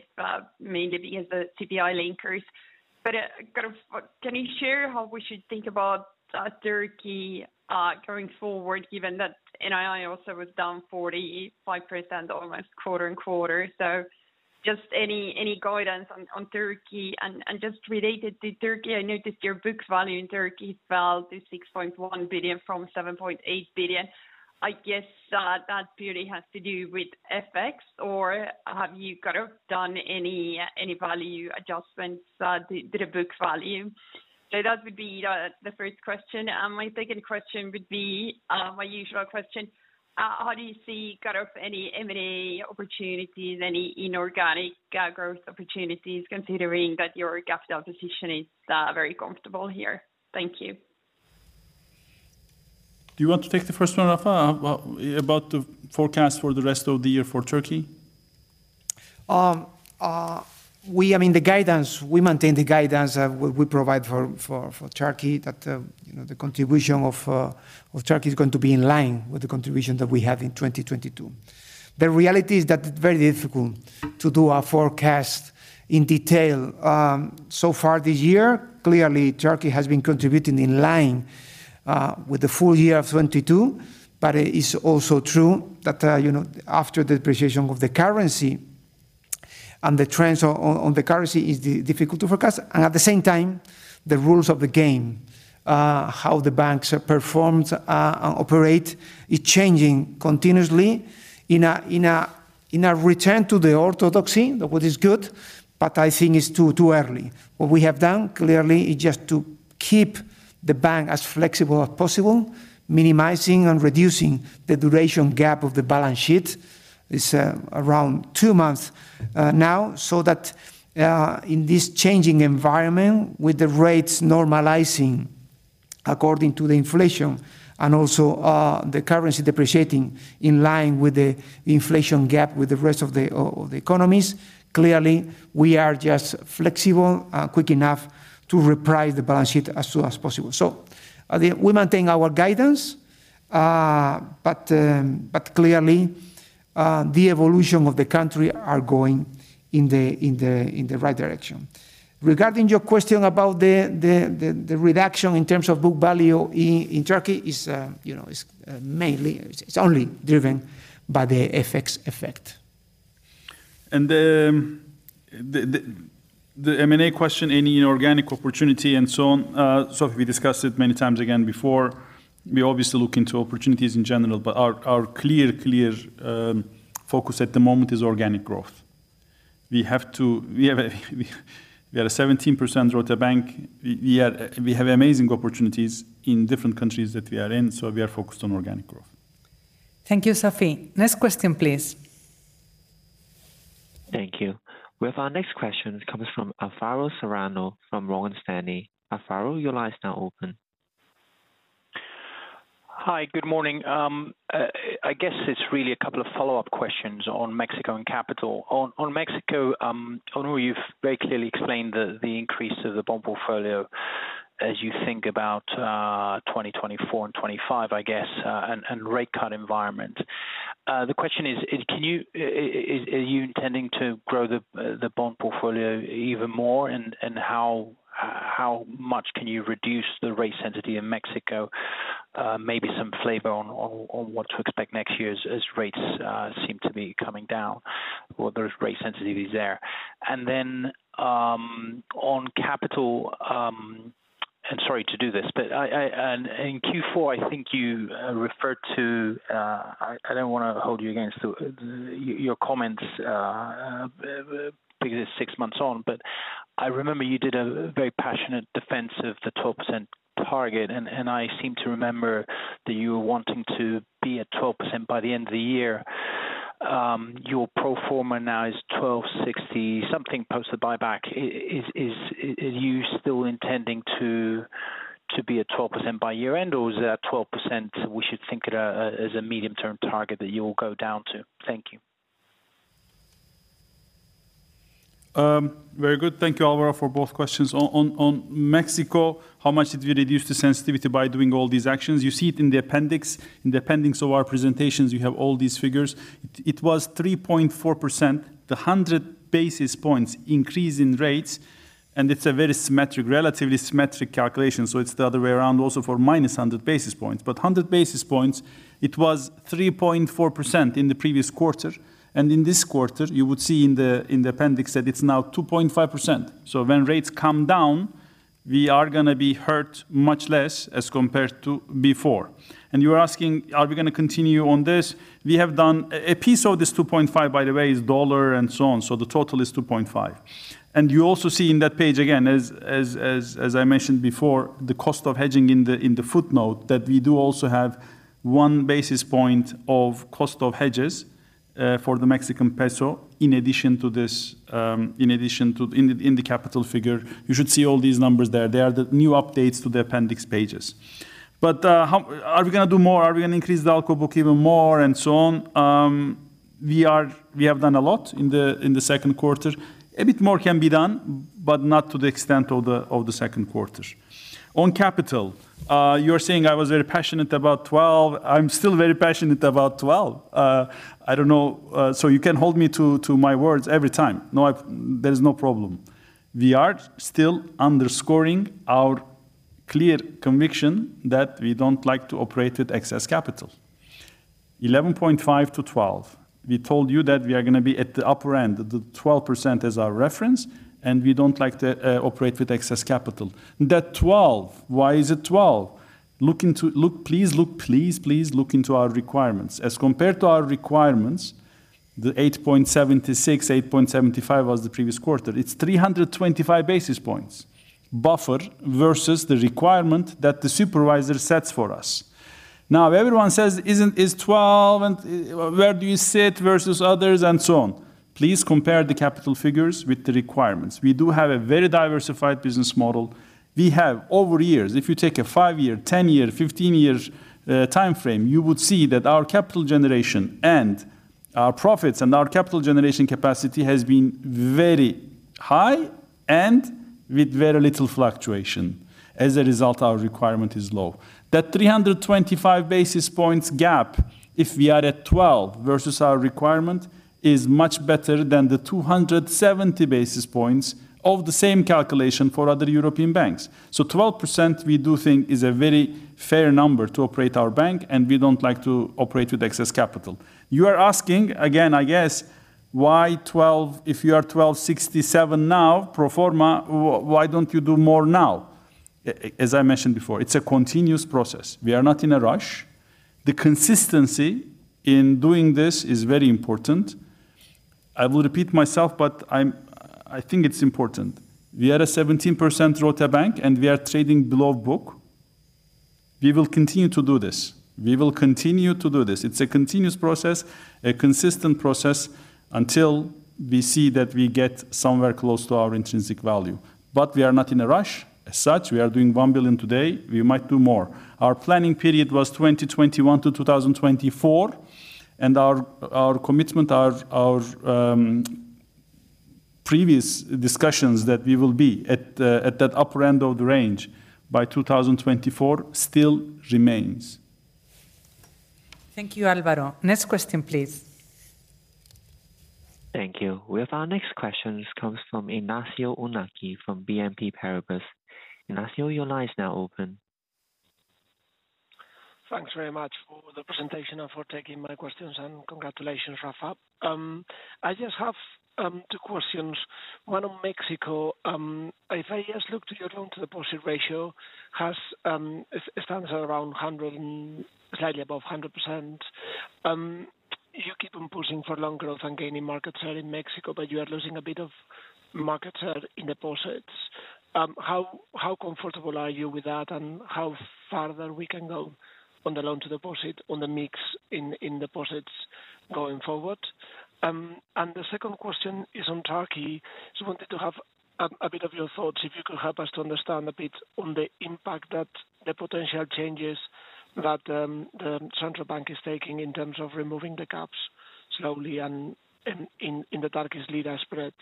mainly because the CPI linkers. Kind of, can you share how we should think about Turkey going forward, given that NII also was down 45%, almost quarter-on-quarter? Just any, any guidance on Turkey. Just related to Turkey, I noticed your books value in Turkey fell to 6.1 billion from 7.8 billion. I guess that, that purely has to do with FX, or have you kind of done any, any value adjustments, to, to the book value? That would be, the first question. My second question would be, my usual question: How do you see kind of any M&A opportunities, any inorganic, growth opportunities, considering that your capital position is, very comfortable here? Thank you. Do you want to take the first one, Rafa, about the forecast for the rest of the year for Turkey? I mean, the guidance, we maintain the guidance that we provide for Turkey, that, you know, the contribution of Turkey is going to be in line with the contribution that we have in 2022. The reality is that it's very difficult to do a forecast in detail. So far this year, clearly, Turkey has been contributing in line with the full year of 2022, but it is also true that, you know, after the depreciation of the currency... the trends on the currency is difficult to forecast. At the same time, the rules of the game, how the banks are performed and operate, is changing continuously in a return to the orthodoxy, of what is good, but I think it's too early. What we have done, clearly, is just to keep the bank as flexible as possible, minimizing and reducing the duration gap of the balance sheet. It's around 2 months now, so that in this changing environment, with the rates normalizing according to the inflation and also, the currency depreciating in line with the inflation gap with the rest of the economies, clearly, we are just flexible, quick enough to reprice the balance sheet as soon as possible. We maintain our guidance, but clearly, the evolution of the country are going in the right direction. Regarding your question about the reduction in terms of book value in Turkey, is, you know, is mainly, it's only driven by the FX effect. The M&A question, any inorganic opportunity and so on. We discussed it many times again before. We obviously look into opportunities in general, but our, our clear, clear focus at the moment is organic growth. We have to... We have a we are a 17% ROTE bank. We have amazing opportunities in different countries that we are in, so we are focused on organic growth. Thank you, Sofie. Next question, please. Thank you. We have our next question. It comes from Alvaro Serrano from Morgan Stanley. Alvaro, your line is now open. Hi, good morning. I guess it's really a couple of follow-up questions on Mexico and capital. On Mexico, Onur, you've very clearly explained the, the increase of the bond portfolio as you think about 2024 and 2025, I guess, and rate cut environment. The question is, are you intending to grow the bond portfolio even more, and how much can you reduce the rate sensitivity in Mexico? Maybe some flavor on what to expect next year as rates seem to be coming down, what those rate sensitivity is there. On capital, sorry to do this, but in Q4, I think you referred to... I don't wanna hold you against to your comments, because it's 6 months on, but I remember you did a very passionate defense of the 12% target, and I seem to remember that you were wanting to be at 12% by the end of the year. Your pro forma now is 12.60 something% post the buyback. Are you still intending to be at 12% by year-end, or is that 12%, we should think it as a medium-term target that you will go down to? Thank you. Very good. Thank you, Alvaro, for both questions. On Mexico, how much did we reduce the sensitivity by doing all these actions? You see it in the appendix. In the appendix of our presentations, you have all these figures. It was 3.4%, the 100 basis points increase in rates, and it's a very symmetric, relatively symmetric calculation, so it's the other way around also for -100 basis points. 100 basis points, it was 3.4% in the previous quarter, and in this quarter, you would see in the appendix that it's now 2.5%. When rates come down, we are gonna be hurt much less as compared to before. You are asking, are we gonna continue on this? We have done... A piece of this 2.5, by the way, is dollar and so on, so the total is 2.5. You also see in that page, again, as, as, as, as I mentioned before, the cost of hedging in the, in the footnote, that we do also have 1 basis point of cost of hedges for the Mexican peso, in addition to this, in addition to in the, in the capital figure. You should see all these numbers there. They are the new updates to the appendix pages. Are we gonna do more? Are we gonna increase the ALCO book even more and so on? We have done a lot in the, in the second quarter. A bit more can be done, but not to the extent of the, of the second quarter. On capital, you're saying I was very passionate about 12. I'm still very passionate about 12. I don't know, so you can hold me to, to my words every time. No, There is no problem. We are still underscoring our clear conviction that we don't like to operate with excess capital. 11.5-12. We told you that we are gonna be at the upper end. The 12% is our reference, and we don't like to operate with excess capital. That 12, why is it 12? Look, please look, please, please look into our requirements. As compared to our requirements, the 8.76, 8.75 was the previous quarter. It's 325 basis points buffer versus the requirement that the supervisor sets for us. Now, everyone says, "Is 12, and where do you sit versus others?" and so on. Please compare the capital figures with the requirements. We do have a very diversified business model. We have, over years, if you take a 5-year, 10-year, 15-year time frame, you would see that our capital generation and our profits and our capital generation capacity has been very high and with very little fluctuation. As a result, our requirement is low. That 325 basis points gap, if we are at 12 versus our requirement, is much better than the 270 basis points of the same calculation for other European banks. 12%, we do think, is a very fair number to operate our bank, and we don't like to operate with excess capital. You are asking, again, I guess: Why 12% if you are 12.67% now, pro forma, why don't you do more now? As I mentioned before, it's a continuous process. We are not in a rush. The consistency in doing this is very important. I will repeat myself, but I think it's important. We are a 17% ROTE bank, and we are trading below book. We will continue to do this. We will continue to do this. It's a continuous process, a consistent process, until we see that we get somewhere close to our intrinsic value. We are not in a rush as such. We are doing 1 billion today, we might do more. Our planning period was 2021 to 2024, and our, our commitment, our, our previous discussions that we will be at the, at that upper end of the range by 2024 still remains. Thank you, Alvaro. Next question, please. Thank you. We have our next question. This comes from Ignacio Ulargui from BNP Paribas. Ignacio, your line is now open. Thanks very much for the presentation and for taking my questions, and congratulations, Rafa. I just have two questions. One on Mexico. If I just look to your loan to deposit ratio has, it, it stands at around 100 and slightly above 100%. You keep on pushing for loan growth and gaining market share in Mexico, but you are losing a bit of market share in deposits. How, how comfortable are you with that, and how farther we can go on the loan to deposit on the mix in, in deposits going forward? The second question is on Turkey. Just wanted to have a bit of your thoughts, if you could help us to understand a bit on the impact that the potential changes that the central bank is taking in terms of removing the caps slowly and in the Turkish lira spread.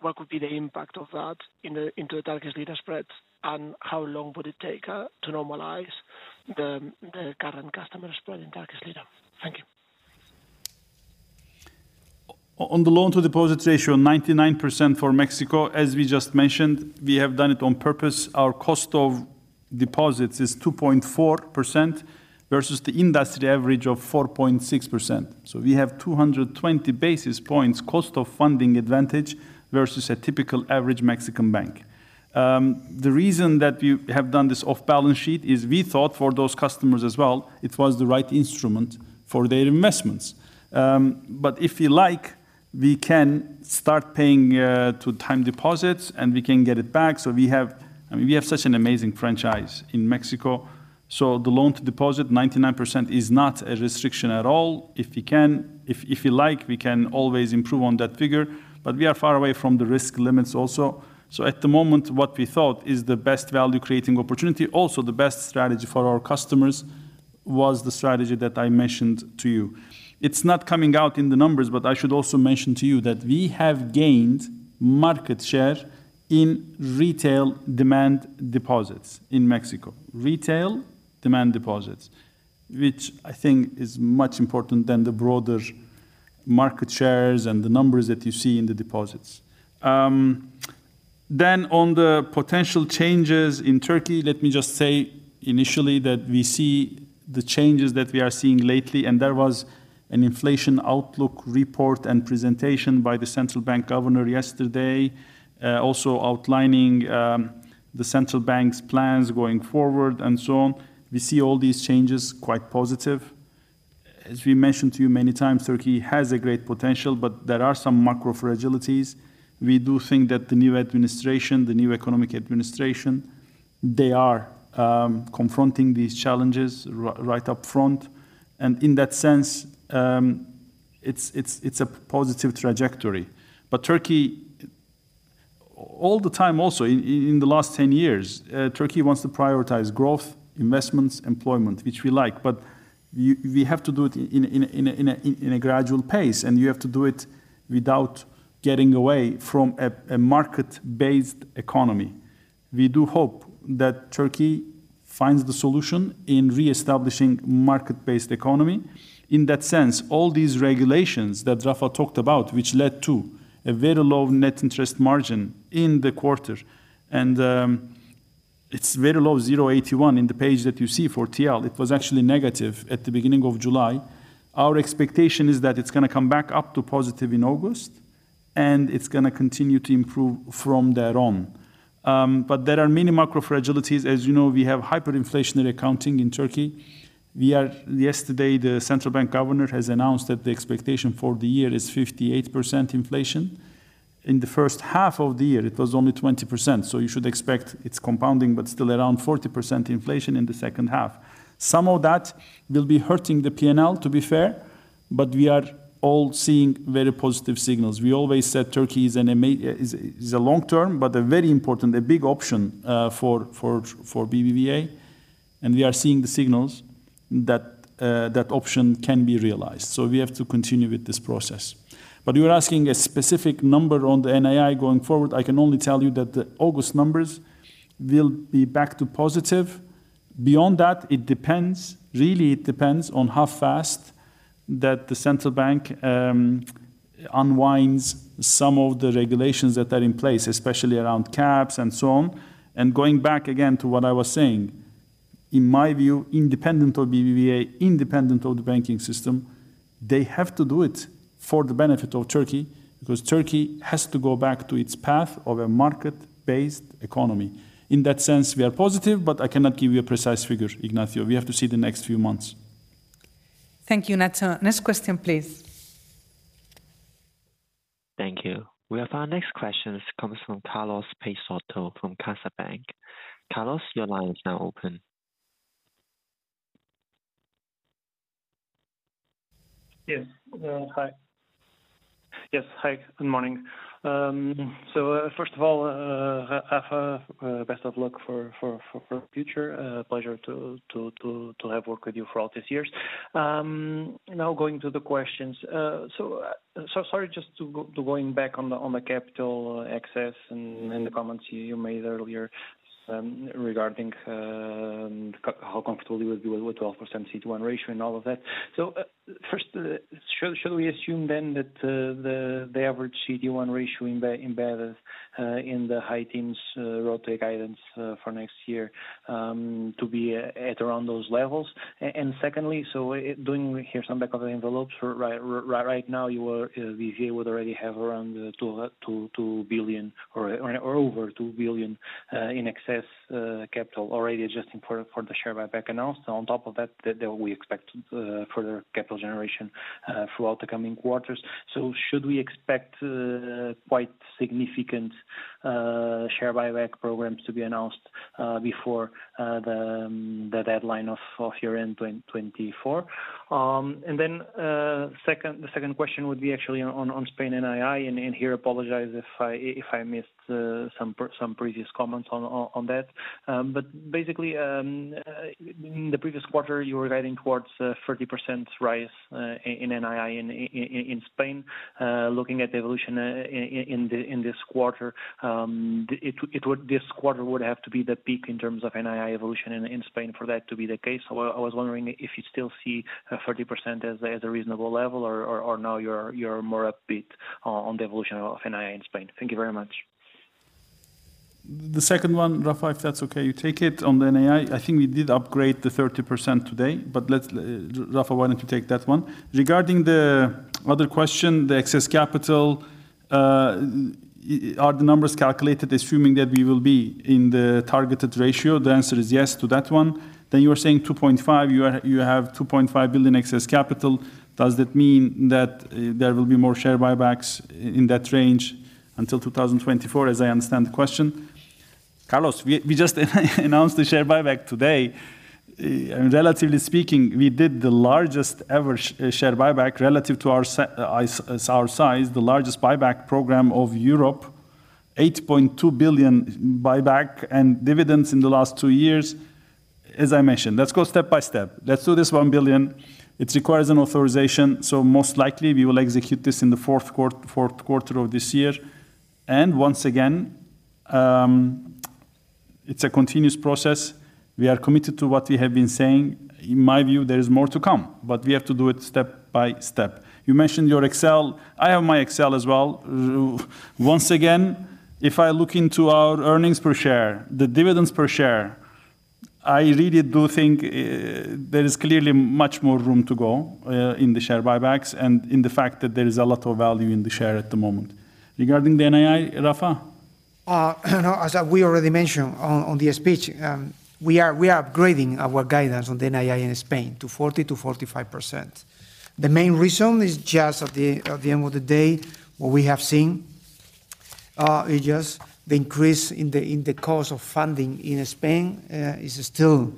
What could be the impact of that into the Turkish lira spread? How long would it take to normalize the current customer spread in Turkish lira? Thank you. On the loan to deposits ratio, 99% for Mexico, as we just mentioned, we have done it on purpose. Our cost of deposits is 2.4% versus the industry average of 4.6%. We have 220 basis points cost of funding advantage versus a typical average Mexican bank. The reason that we have done this off balance sheet is we thought for those customers as well, it was the right instrument for their investments. If you like, we can start paying to time deposits, and we can get it back. We have. I mean, we have such an amazing franchise in Mexico, so the loan to deposit, 99% is not a restriction at all. If we can, if you like, we can always improve on that figure. We are far away from the risk limits also. At the moment, what we thought is the best value-creating opportunity, also the best strategy for our customers, was the strategy that I mentioned to you. It's not coming out in the numbers. I should also mention to you that we have gained market share in retail demand deposits in Mexico. Retail demand deposits, which I think is much important than the broader market shares and the numbers that you see in the deposits. On the potential changes in Turkey, let me just say initially that we see the changes that we are seeing lately. There was an inflation outlook report and presentation by the central bank governor yesterday, also outlining, the central bank's plans going forward and so on. We see all these changes quite positive. As we mentioned to you many times, Turkey has a great potential, but there are some macro fragilities. We do think that the new administration, the new economic administration, they are, confronting these challenges right up front, and in that sense, it's, it's, it's a positive trajectory. Turkey, all the time also in, in, in the last 10 years, Turkey wants to prioritize growth, investments, employment, which we like, but we have to do it in a, in a, in a, in a, in a gradual pace, and you have to do it without getting away from a, a market-based economy. We do hope that Turkey finds the solution in reestablishing market-based economy. In that sense, all these regulations that Rafa talked about, which led to a very low net interest margin in the quarter, and it's very low, 0.81, in the page that you see for TL. It was actually negative at the beginning of July. Our expectation is that it's gonna come back up to positive in August, and it's gonna continue to improve from there on. There are many macro fragilities. As you know, we have hyperinflationary accounting in Turkey. Yesterday, the central bank governor has announced that the expectation for the year is 58% inflation. In the first half of the year, it was only 20%, you should expect it's compounding, but still around 40% inflation in the second half. Some of that will be hurting the P&L, to be fair, we are all seeing very positive signals. We always said Turkey is a, is a long-term, but a very important, a big option, for, for, for BBVA, we are seeing the signals that, that option can be realized. We have to continue with this process. You are asking a specific number on the NII going forward. I can only tell you that the August numbers will be back to positive. Beyond that, it depends. Really, it depends on how fast that the central bank unwinds some of the regulations that are in place, especially around caps and so on. Going back again to what I was saying, in my view, independent of BBVA, independent of the banking system, they have to do it for the benefit of Turkey, because Turkey has to go back to its path of a market-based economy. In that sense, we are positive, but I cannot give you a precise figure, Ignacio. We have to see the next few months. Thank you, Ignacio. Next question, please. Thank you. We have our next question. This comes from Carlos Peixoto from CaixaBank. Carlos, your line is now open. Yes. Hi. Yes, hi, good morning. First of all, have a best of luck for future. Pleasure to have worked with you for all these years. Now going to the questions. Sorry, just to go, to going back on the capital excess and the comments you made earlier, regarding how comfortable you would be with a 12% CET1 ratio and all of that. First, should we assume then that the average CET1 ratio embedded in the high teens ROTE guidance for next year, to be at around those levels? Secondly, so, doing here some back of the envelopes, right now, BBVA would already have around 2 billion or over 2 billion in excess capital already, adjusting for the share buyback announced. There we expect further capital generation throughout the coming quarters. Should we expect quite significant share buyback programs to be announced before the deadline of year end 2024? Second, the second question would be actually on Spain NII. Here apologize if I missed some previous comments on that. Basically, in the previous quarter, you were guiding towards a 30% rise in NII in Spain. Looking at the evolution, in the, in this quarter, This quarter would have to be the peak in terms of NII evolution in, in Spain for that to be the case. I, I was wondering if you still see, 30% as a, as a reasonable level, or, or, or now you're, you're more upbeat on the evolution of NII in Spain. Thank you very much. The second one, Rafa, if that's okay, you take it. On the NII, I think we did upgrade the 30% today, but let's Rafa, why don't you take that one? Regarding the other question, the excess capital, are the numbers calculated, assuming that we will be in the targeted ratio? The answer is yes to that one. You are saying 2.5, you have 2.5 billion excess capital. Does that mean that there will be more share buybacks in that range until 2024, as I understand the question? Carlos, we, we just announced the share buyback today. Relatively speaking, we did the largest ever share buyback relative to our size, the largest buyback program of Europe, 8.2 billion buyback and dividends in the last 2 years. As I mentioned, let's go step by step. Let's do this 1 billion. It requires an authorization. Most likely we will execute this in the fourth quarter of this year. Once again, it's a continuous process. We are committed to what we have been saying. In my view, there is more to come, but we have to do it step by step. You mentioned your Excel. I have my Excel as well. Once again, if I look into our earnings per share, the dividends per share, I really do think there is clearly much more room to go in the share buybacks and in the fact that there is a lot of value in the share at the moment. Regarding the NII, Rafa? As we already mentioned on the speech, we are, we are upgrading our guidance on the NII in Spain to 40%-45%. The main reason is just at the, at the end of the day, what we have seen, is just the increase in the, in the cost of funding in Spain, is still,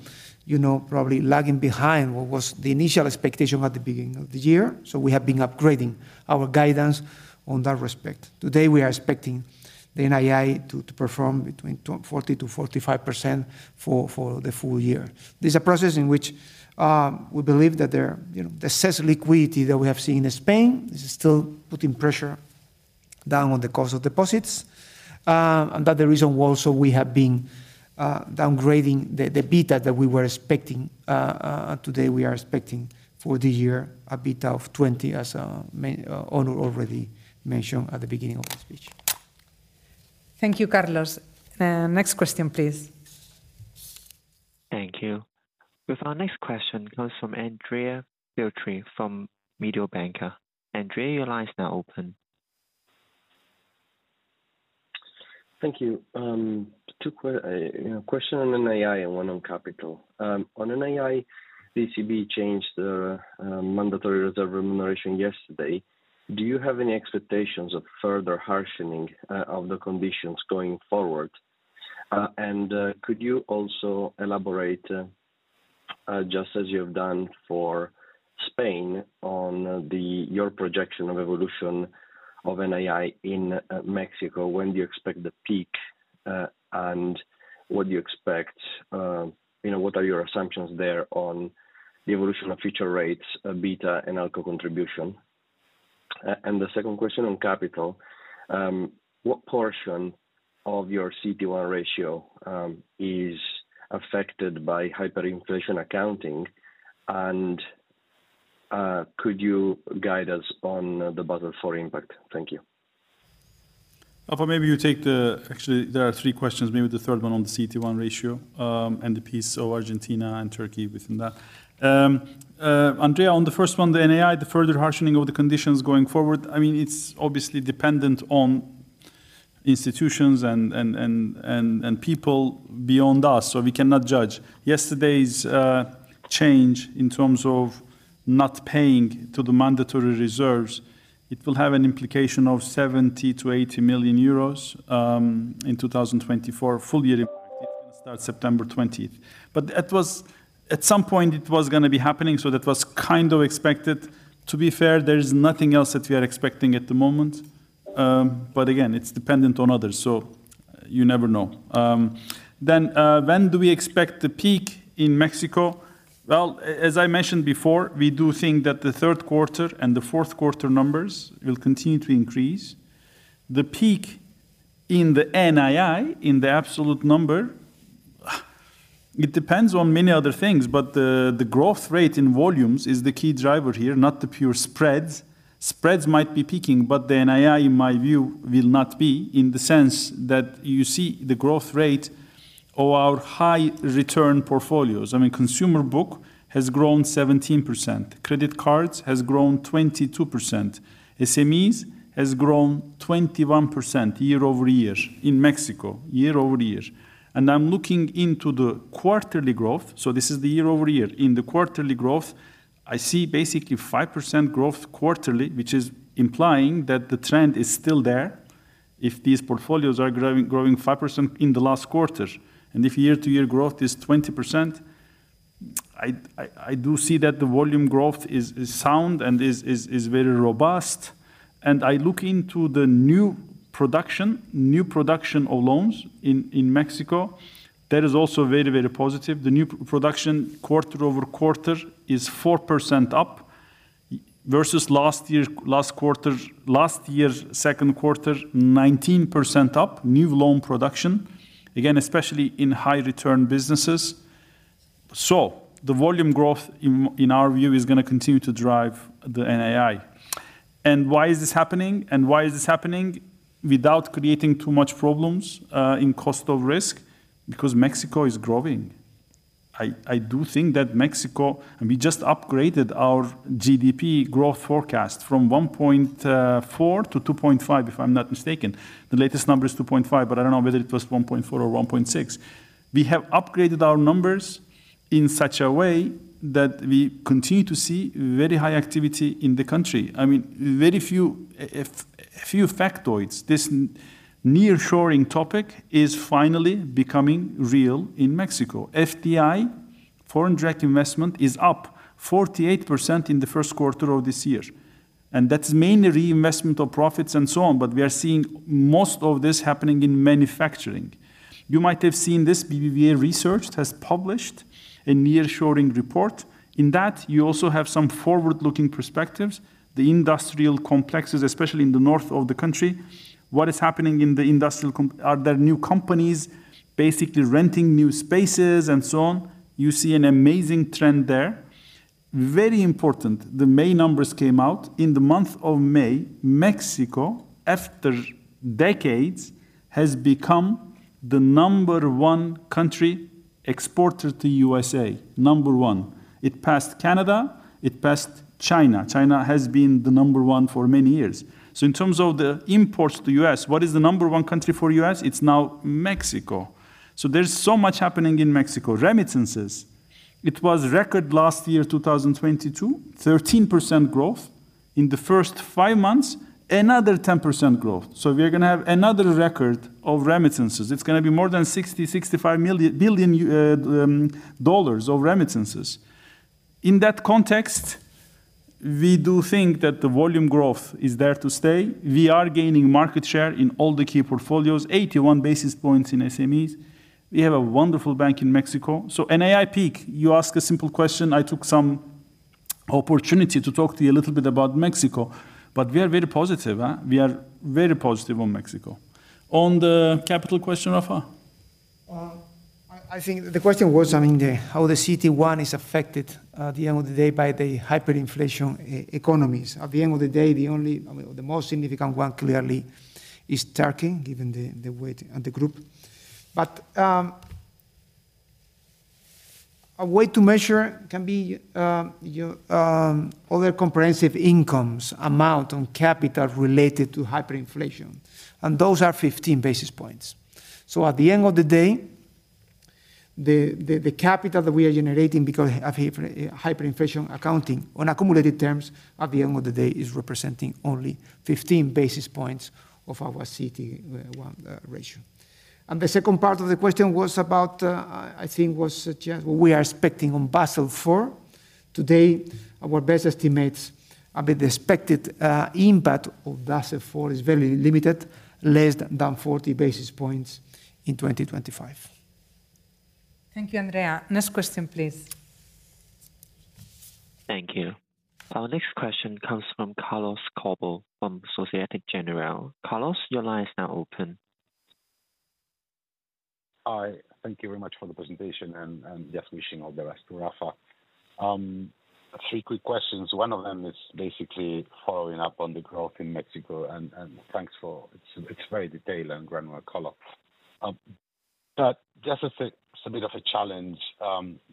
you know, probably lagging behind what was the initial expectation at the beginning of the year. We have been upgrading our guidance on that respect. Today, we are expecting the NII to, to perform between 40%-45% for, for the full year. This is a process in which, we believe that there, you know, the excess liquidity that we have seen in Spain is still putting pressure down on the cost of deposits. That the reason was also we have been downgrading the beta that we were expecting. Today, we are expecting for the year, a beta of 20, as Onur already mentioned at the beginning of the speech. Thank you, Carlos. Next question, please. Thank you. With our next question comes from Andrea Filtri, from Mediobanca. Andrea, your line is now open. Thank you. two, you know, question on NII and one on capital. On NII, ECB changed the mandatory reserve remuneration yesterday. Do you have any expectations of further harshening of the conditions going forward? Could you also elaborate, just as you've done for Spain, on your projection of evolution of NII in Mexico, when do you expect the peak, and what do you expect? You know, what are your assumptions there on the evolution of future rates, beta and ALCO contribution? The second question on capital, what portion of your CET1 ratio is affected by hyperinflation accounting? Could you guide us on the buffer for impact? Thank you. Rafa, maybe you take the, actually, there are three questions, maybe the third one on the CET1 ratio, and the piece of Argentina and Turkey within that. Andrea, on the first one, the NII, the further harshening of the conditions going forward, I mean, it's obviously dependent on institutions and people beyond us. We cannot judge. Yesterday's change in terms of not paying to the mandatory reserves, it will have an implication of 70 million-80 million euros in 2024. Full year impact will start September 20th. That was at some point, it was going to be happening. That was kind of expected. To be fair, there is nothing else that we are expecting at the moment. Again, it's dependent on others. You never know. When do we expect the peak in Mexico? Well, as I mentioned before, we do think that the third quarter and the fourth quarter numbers will continue to increase. The peak in the NII, in the absolute number, it depends on many other things, but the, the growth rate in volumes is the key driver here, not the pure spreads. Spreads might be peaking, but the NII, in my view, will not be, in the sense that you see the growth rate of our high return portfolios. I mean, consumer book has grown 17%, credit cards has grown 22%. SMEs has grown 21% YoY in Mexico, year-over-year. I'm looking into the quarterly growth, so this is the year-over-year. In the quarterly growth, I see basically 5% growth quarterly, which is implying that the trend is still there if these portfolios are growing, growing 5% in the last quarter. If year-to-year growth is 20%, I, I, I do see that the volume growth is, is sound and is, is, is very robust. I look into the new production, new production of loans in, in Mexico. That is also very, very positive. The new production quarter-over-quarter is 4% up versus last year, last quarter. Last year's second quarter, 19% up, new loan production, again, especially in high-return businesses. The volume growth in, in our view, is gonna continue to drive the NII. Why is this happening, and why is this happening without creating too much problems in cost of risk? Because Mexico is growing. I, I do think that Mexico. We just upgraded our GDP growth forecast from 1.4 to 2.5, if I'm not mistaken. The latest number is 2.5. I don't know whether it was 1.4 or 1.6. We have upgraded our numbers in such a way that we continue to see very high activity in the country. I mean, very few factoids, this nearshoring topic is finally becoming real in Mexico. FDI, foreign direct investment, is up 48% in the 1st quarter of this year. That's mainly reinvestment of profits and so on. We are seeing most of this happening in manufacturing. You might have seen this, BBVA Research has published a nearshoring report. In that, you also have some forward-looking perspectives, the industrial complexes, especially in the north of the country, what is happening in the industrial are there new companies basically renting new spaces and so on? You see an amazing trend there. Very important, the May numbers came out. In the month of May, Mexico, after decades, has become the number 1 country exporter to USA, number 1. It passed Canada, it passed China. China has been the number 1 for many years. In terms of the imports to U.S., what is the number 1 country for U.S.? It's now Mexico. There's so much happening in Mexico. Remittances, it was record last year, 2022, 13% growth. In the first five months, another 10% growth. We are gonna have another record of remittances. It's gonna be more than $60million-$65 million, billion of remittances. In that context, we do think that the volume growth is there to stay. We are gaining market share in all the key portfolios, 81 basis points in SMEs. We have a wonderful bank in Mexico. NII peak, you ask a simple question, I took some opportunity to talk to you a little bit about Mexico, but we are very positive, huh? We are very positive on Mexico. On the capital question, Rafa? The question was, how the CET1 is affected, at the end of the day, by the hyperinflation economies. At the end of the day, the only, the most significant one clearly is Turkey, given the weight and the group. A way to measure can be your other comprehensive incomes, amount on capital related to hyperinflation, and those are 15 basis points. At the end of the day, the capital that we are generating because of hyper- hyperinflation accounting on accumulated terms, at the end of the day, is representing only 15 basis points of our CET1 ratio. The second part of the question was about, was just what we are expecting on Basel IV. Today, our best estimates are that the expected impact of Basel IV is very limited, less than 40 basis points in 2025. Thank you, Andrea. Next question, please. Thank you. Our next question comes from Carlos Cobo, from Société Générale. Carlos, your line is now open. Hi, thank you very much for the presentation and just wishing all the best to Rafa. Three quick questions. One of them is basically following up on the growth in Mexico, and thanks for it's very detailed and granular color. Just as it's a bit of a challenge,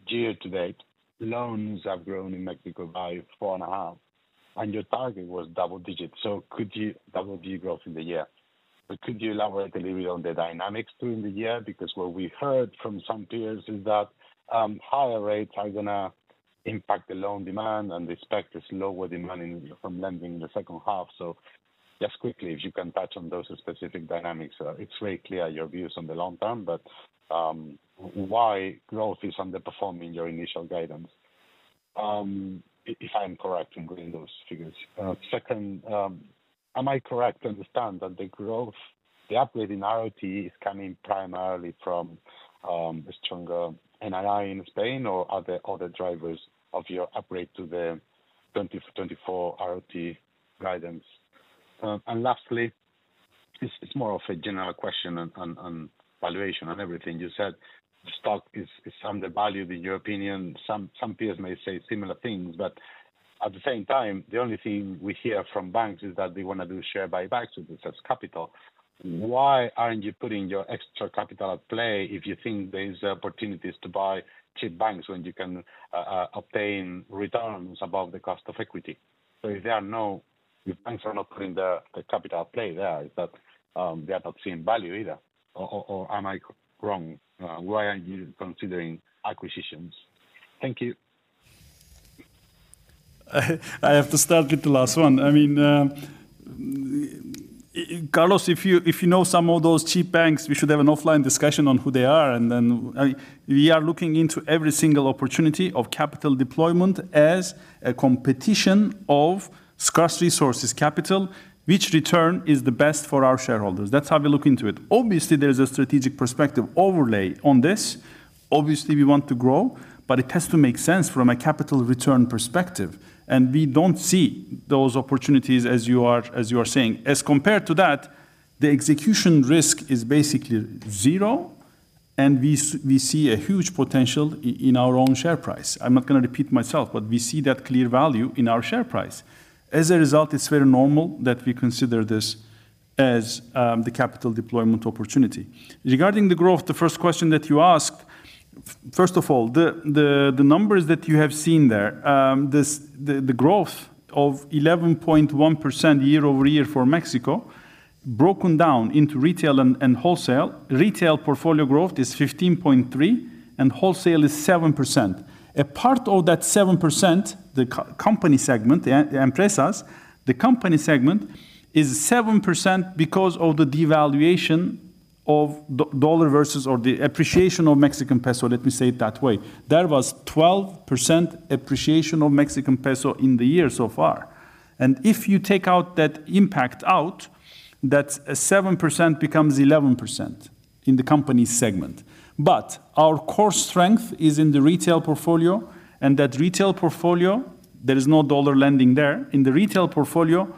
year to date, loans have grown in Mexico by 4.5%, and your target was double digits. Could you double-digit growth in the year? Could you elaborate a little bit on the dynamics during the year? What we heard from some peers is that higher rates are gonna impact the loan demand, and expect this lower demand in, from lending in the second half. Just quickly, if you can touch on those specific dynamics? It's very clear your views on the long term, but why growth is underperforming your initial guidance? If I'm correct in reading those figures. Second, am I correct to understand that the growth, the upgrade in ROTE is coming primarily from a stronger NII in Spain, or are there other drivers of your upgrade to the 2024 ROTE guidance? Lastly, this is more of a general question on, on, on valuation and everything you said. Stock is, is undervalued in your opinion. Some, some peers may say similar things, but at the same time, the only thing we hear from banks is that they wanna do share buybacks with excess capital. Why aren't you putting your extra capital at play if you think there's opportunities to buy cheap banks when you can obtain returns above the cost of equity? If banks are not putting their, the capital at play there, is that they are not seeing value either, or, or, or am I wrong? Why aren't you considering acquisitions? Thank you. I have to start with the last one. I mean, Carlos, if you, if you know some of those cheap banks, we should have an offline discussion on who they are, and then. We are looking into every single opportunity of capital deployment as a competition of scarce resources, capital, which return is the best for our shareholders. That's how we look into it. Obviously, there's a strategic perspective overlay on this. Obviously, we want to grow, but it has to make sense from a capital return perspective, and we don't see those opportunities as you are, as you are saying. As compared to that, the execution risk is basically zero, and we see a huge potential in our own share price. I'm not gonna repeat myself, but we see that clear value in our share price. As a result, it's very normal that we consider this as the capital deployment opportunity. Regarding the growth, the first question that you asked, first of all, the numbers that you have seen there, this, the growth of 11.1% YoY for Mexico, broken down into retail and wholesale. Retail portfolio growth is 15.3, and wholesale is 7%. A part of that 7%, the company segment, the empresas, the company segment, is 7% because of the devaluation of dollar versus or the appreciation of Mexican peso, let me say it that way. There was 12% appreciation of Mexican peso in the year so far, and if you take out that impact out, that 7% becomes 11% in the company segment. Our core strength is in the retail portfolio, and that retail portfolio, there is no dollar lending there. In the retail portfolio,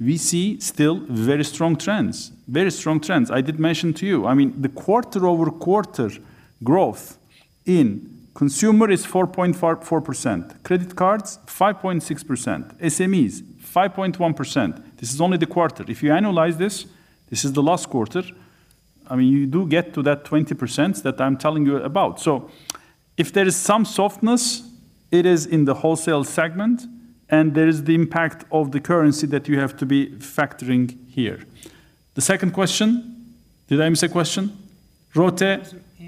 we see still very strong trends. Very strong trends. I did mention to you, I mean, the quarter-over-quarter growth in consumer is 4.4%, credit cards, 5.6%, SMEs, 5.1%. This is only the quarter. If you annualize this, this is the last quarter. I mean, you do get to that 20% that I'm telling you about. If there is some softness, it is in the wholesale segment, and there is the impact of the currency that you have to be factoring here. The second question, did I miss a question? ROTE?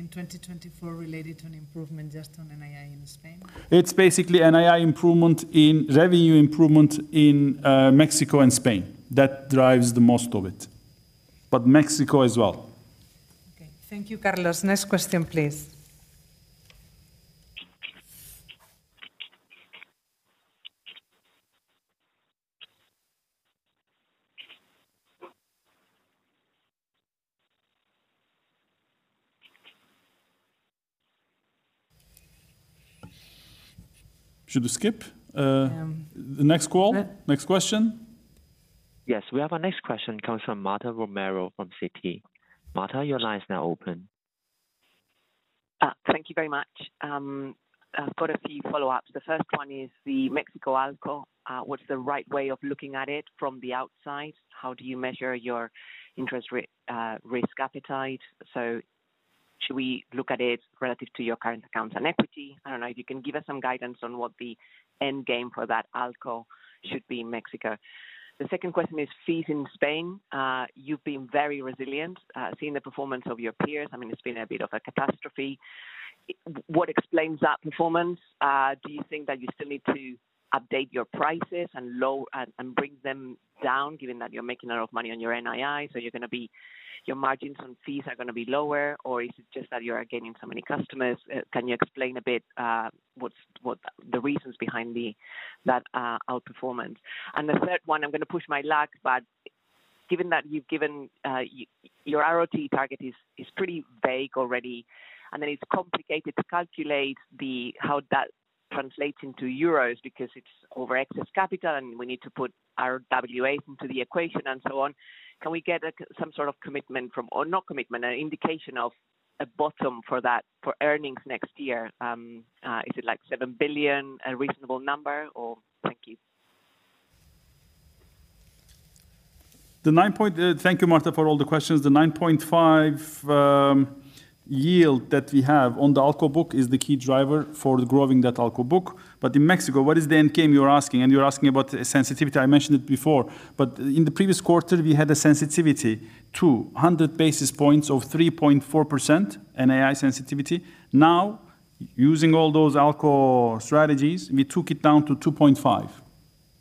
In 2024, related to an improvement just on NII in Spain. It's basically NII improvement in revenue improvement in Mexico and Spain. That drives the most of it, but Mexico as well. Okay. Thank you, Carlos. Next question, please. Should we skip? the next call? Next question. Yes, we have our next question comes from Marta Romero from Citi. Marta, your line is now open. Thank you very much. I've got a few follow-ups. The first one is the Mexico ALCO. What's the right way of looking at it from the outside? How do you measure your interest risk appetite? Should we look at it relative to your current accounts and equity? I don't know if you can give us some guidance on what the end game for that ALCO should be in Mexico. The second question is fees in Spain. You've been very resilient, seeing the performance of your peers. I mean, it's been a bit of a catastrophe. What explains that performance? Do you think that you still need to update your prices and bring them down, given that you're making a lot of money on your NII, so your margins on fees are gonna be lower, or is it just that you are gaining so many customers? Can you explain a bit, what's, what the reasons behind the, that, outperformance? The third one, I'm gonna push my luck, but given that you've given, your ROTE target is, is pretty vague already, and then it's complicated to calculate the, how that- ... translating to euros, because it's over excess capital, and we need to put our RWA into the equation and so on. Can we get some sort of commitment from or not commitment, an indication of a bottom for that, for earnings next year? Is it like 7 billion a reasonable number or? Thank you. The 9.5... Thank you, Marta, for all the questions. The 9.5 yield that we have on the ALCO book is the key driver for growing that ALCO book. In Mexico, what is the end game you're asking? You're asking about sensitivity, I mentioned it before. In the previous quarter, we had a sensitivity to 100 basis points of 3.4% NII sensitivity. Now, using all those ALCO strategies, we took it down to 2.5.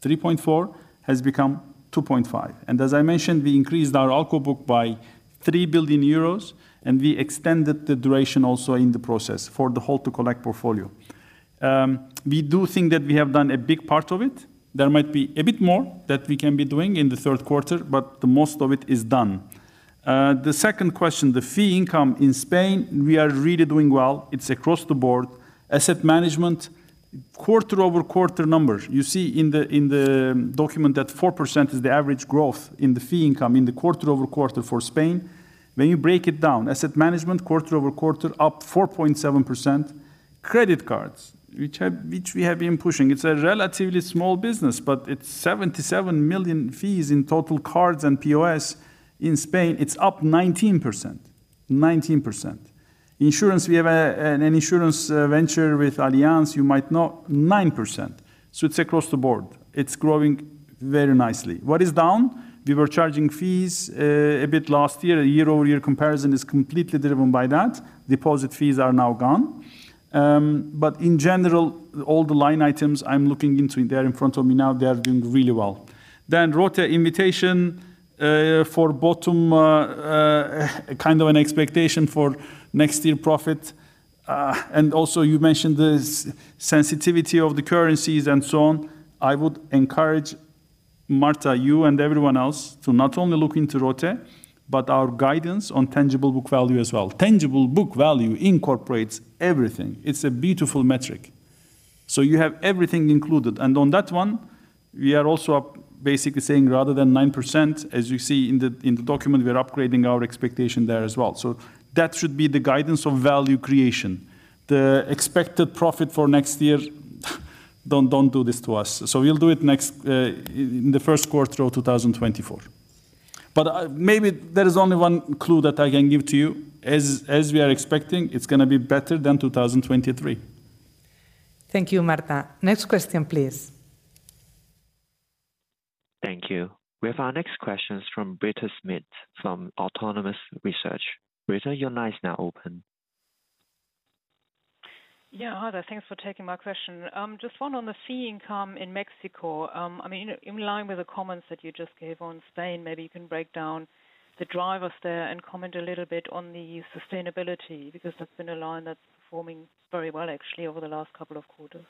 3.4 has become 2.5, as I mentioned, we increased our ALCO book by 3 billion euros, and we extended the duration also in the process for the whole to collect portfolio. We do think that we have done a big part of it. There might be a bit more that we can be doing in the third quarter, but the most of it is done. The 2nd question, the fee income. In Spain, we are really doing well. It's across the board. Asset management, quarter-over-quarter numbers, you see in the, in the document that 4% is the average growth in the fee income in the quarter-over-quarter for Spain. When you break it down, asset management, quarter-over-quarter, up 4.7%. Credit cards, which we have been pushing, it's a relatively small business, but it's 77 million fees in total, cards and POS in Spain, it's up 19%. 19%. Insurance, we have an insurance venture with Allianz you might know, 9%, so it's across the board. It's growing very nicely. What is down? We were charging fees a bit last year. A year-over-year comparison is completely driven by that. Deposit fees are now gone. In general, all the line items I'm looking into, they are in front of me now, they are doing really well. ROTCE invitation for bottom kind of an expectation for next year profit. Also you mentioned this sensitivity of the currencies and so on. I would encourage, Martha, you and everyone else, to not only look into ROTCE, but our guidance on tangible book value as well. Tangible book value incorporates everything. It's a beautiful metric. You have everything included, and on that one, we are also up basically saying rather than 9%, as you see in the, in the document, we're upgrading our expectation there as well. That should be the guidance of value creation. The expected profit for next year, don't, don't do this to us. We'll do it next in the first quarter of 2024. Maybe there is only one clue that I can give to you. As, as we are expecting, it's gonna be better than 2023. Thank you, Martha. Next question, please. Thank you. We have our next questions from Britta Schmidt, from Autonomous Research. Britta, your line is now open. Yeah, hi there. Thanks for taking my question. Just one on the fee income in Mexico. I mean, in line with the comments that you just gave on Spain, maybe you can break down the drivers there and comment a little bit on the sustainability, because that's been a line that's performing very well, actually, over the last couple of quarters.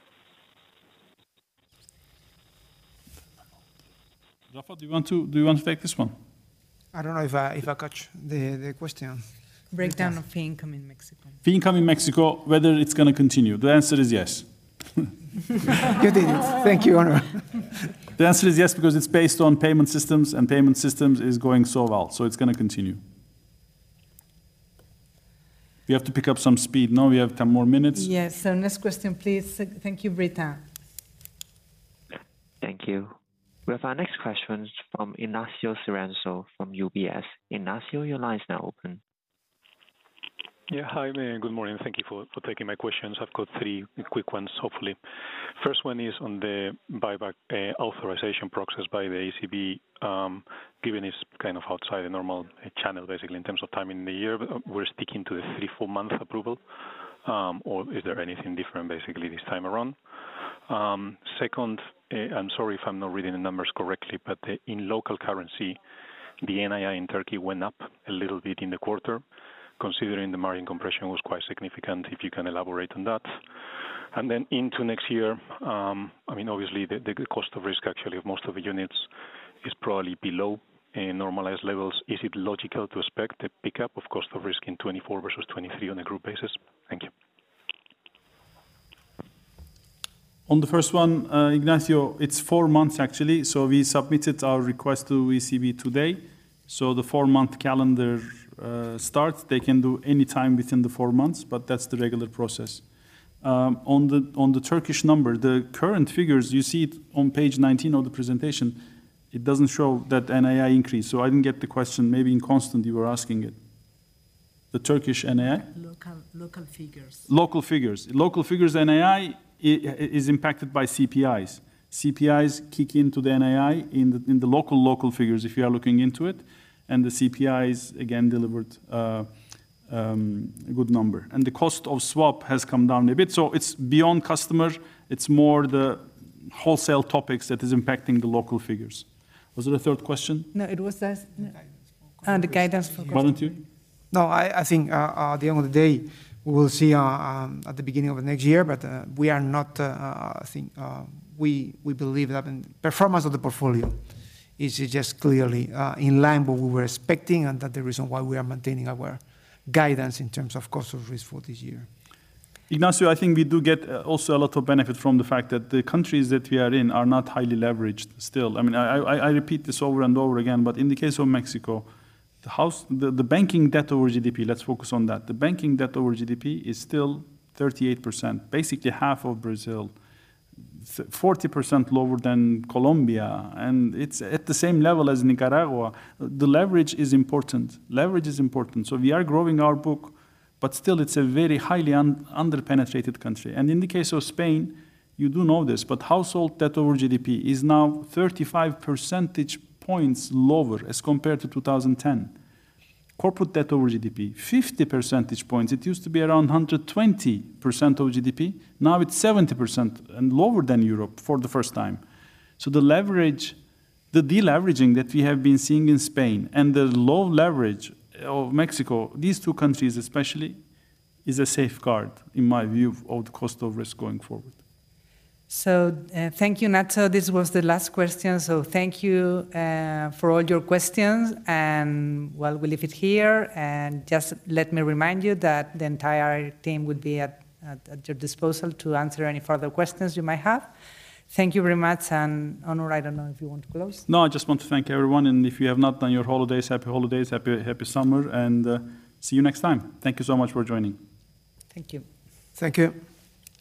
Rafael, do you want to take this one? I don't know if I, if I catch the, the question. Breakdown of fee income in Mexico. Fee income in Mexico, whether it's going to continue. The answer is yes. You did it. Thank you, Onur. The answer is yes, because it's based on payment systems, and payment systems is going so well, so it's gonna continue. We have to pick up some speed now, we have 10 more minutes. Yes. Next question, please. Thank you, Britta. Thank you. We have our next question from Ignacio Cerezo, from UBS. Ignacio, your line is now open. Yeah. Hi, good morning. Thank you for, for taking my questions. I've got three quick ones, hopefully. First one is on the buyback authorization process by the ECB. Given it's kind of outside the normal channel, basically, in terms of timing in the year, we're sticking to the 3-4 month approval, or is there anything different basically this time around? Second, I'm sorry if I'm not reading the numbers correctly, but in local currency, the NII in Turkey went up a little bit in the quarter, considering the margin compression was quite significant, if you can elaborate on that? Then into next year, I mean, obviously, the, the cost of risk actually of most of the units is probably below in normalized levels. Is it logical to expect a pickup of cost of risk in 2024 versus 2023 on a group basis? Thank you. On the first one, Ignacio, it's 4 months, actually. We submitted our request to ECB today, the 4-month calendar starts. They can do any time within the 4 months, but that's the regular process. On the, on the Turkish number, the current figures, you see it on page 19 of the presentation, it doesn't show that NII increase, so I didn't get the question. Maybe in constant you were asking it. The Turkish NII? Local, local figures. Local figures. Local figures, NII is impacted by CPIs. CPIs kick into the NII in the, in the local, local figures, if you are looking into it, and the CPIs again delivered a good number. The cost of swap has come down a bit, so it's beyond customer, it's more the wholesale topics that is impacting the local figures. Was there a third question? No, it was this. Guidance. The guidance for Why don't you? I, I think, at the end of the day, we will see at the beginning of the next year. We are not. We, we believe that the performance of the portfolio is just clearly in line with what we were expecting. That the reason why we are maintaining our guidance in terms of cost of risk for this year. Ignacio, I think we do get also a lot of benefit from the fact that the countries that we are in are not highly leveraged still. I mean, I repeat this over and over again, but in the case of Mexico, the banking debt over GDP, let's focus on that. The banking debt over GDP is still 38%, basically half of Brazil, 40% lower than Colombia, and it's at the same level as Nicaragua. The leverage is important. Leverage is important. We are growing our book, but still, it's a very highly under-penetrated country. And in the case of Spain, you do know this, but household debt over GDP is now 35 percentage points lower as compared to 2010. Corporate debt over GDP, 50 percentage points. It used to be around 120% of GDP, now it's 70% and lower than Europe for the first time. The leverage, the de-leveraging that we have been seeing in Spain and the low leverage of Mexico, these two countries especially, is a safeguard, in my view, of the cost of risk going forward. Thank you, Ignacio. This was the last question, so thank you for all your questions, and well, we leave it here. Just let me remind you that the entire team would be at your disposal to answer any further questions you might have. Thank you very much, and Onur, I don't know if you want to close? No, I just want to thank everyone, and if you have not done your holidays, happy holidays, happy, happy summer, and see you next time. Thank you so much for joining. Thank you. Thank you.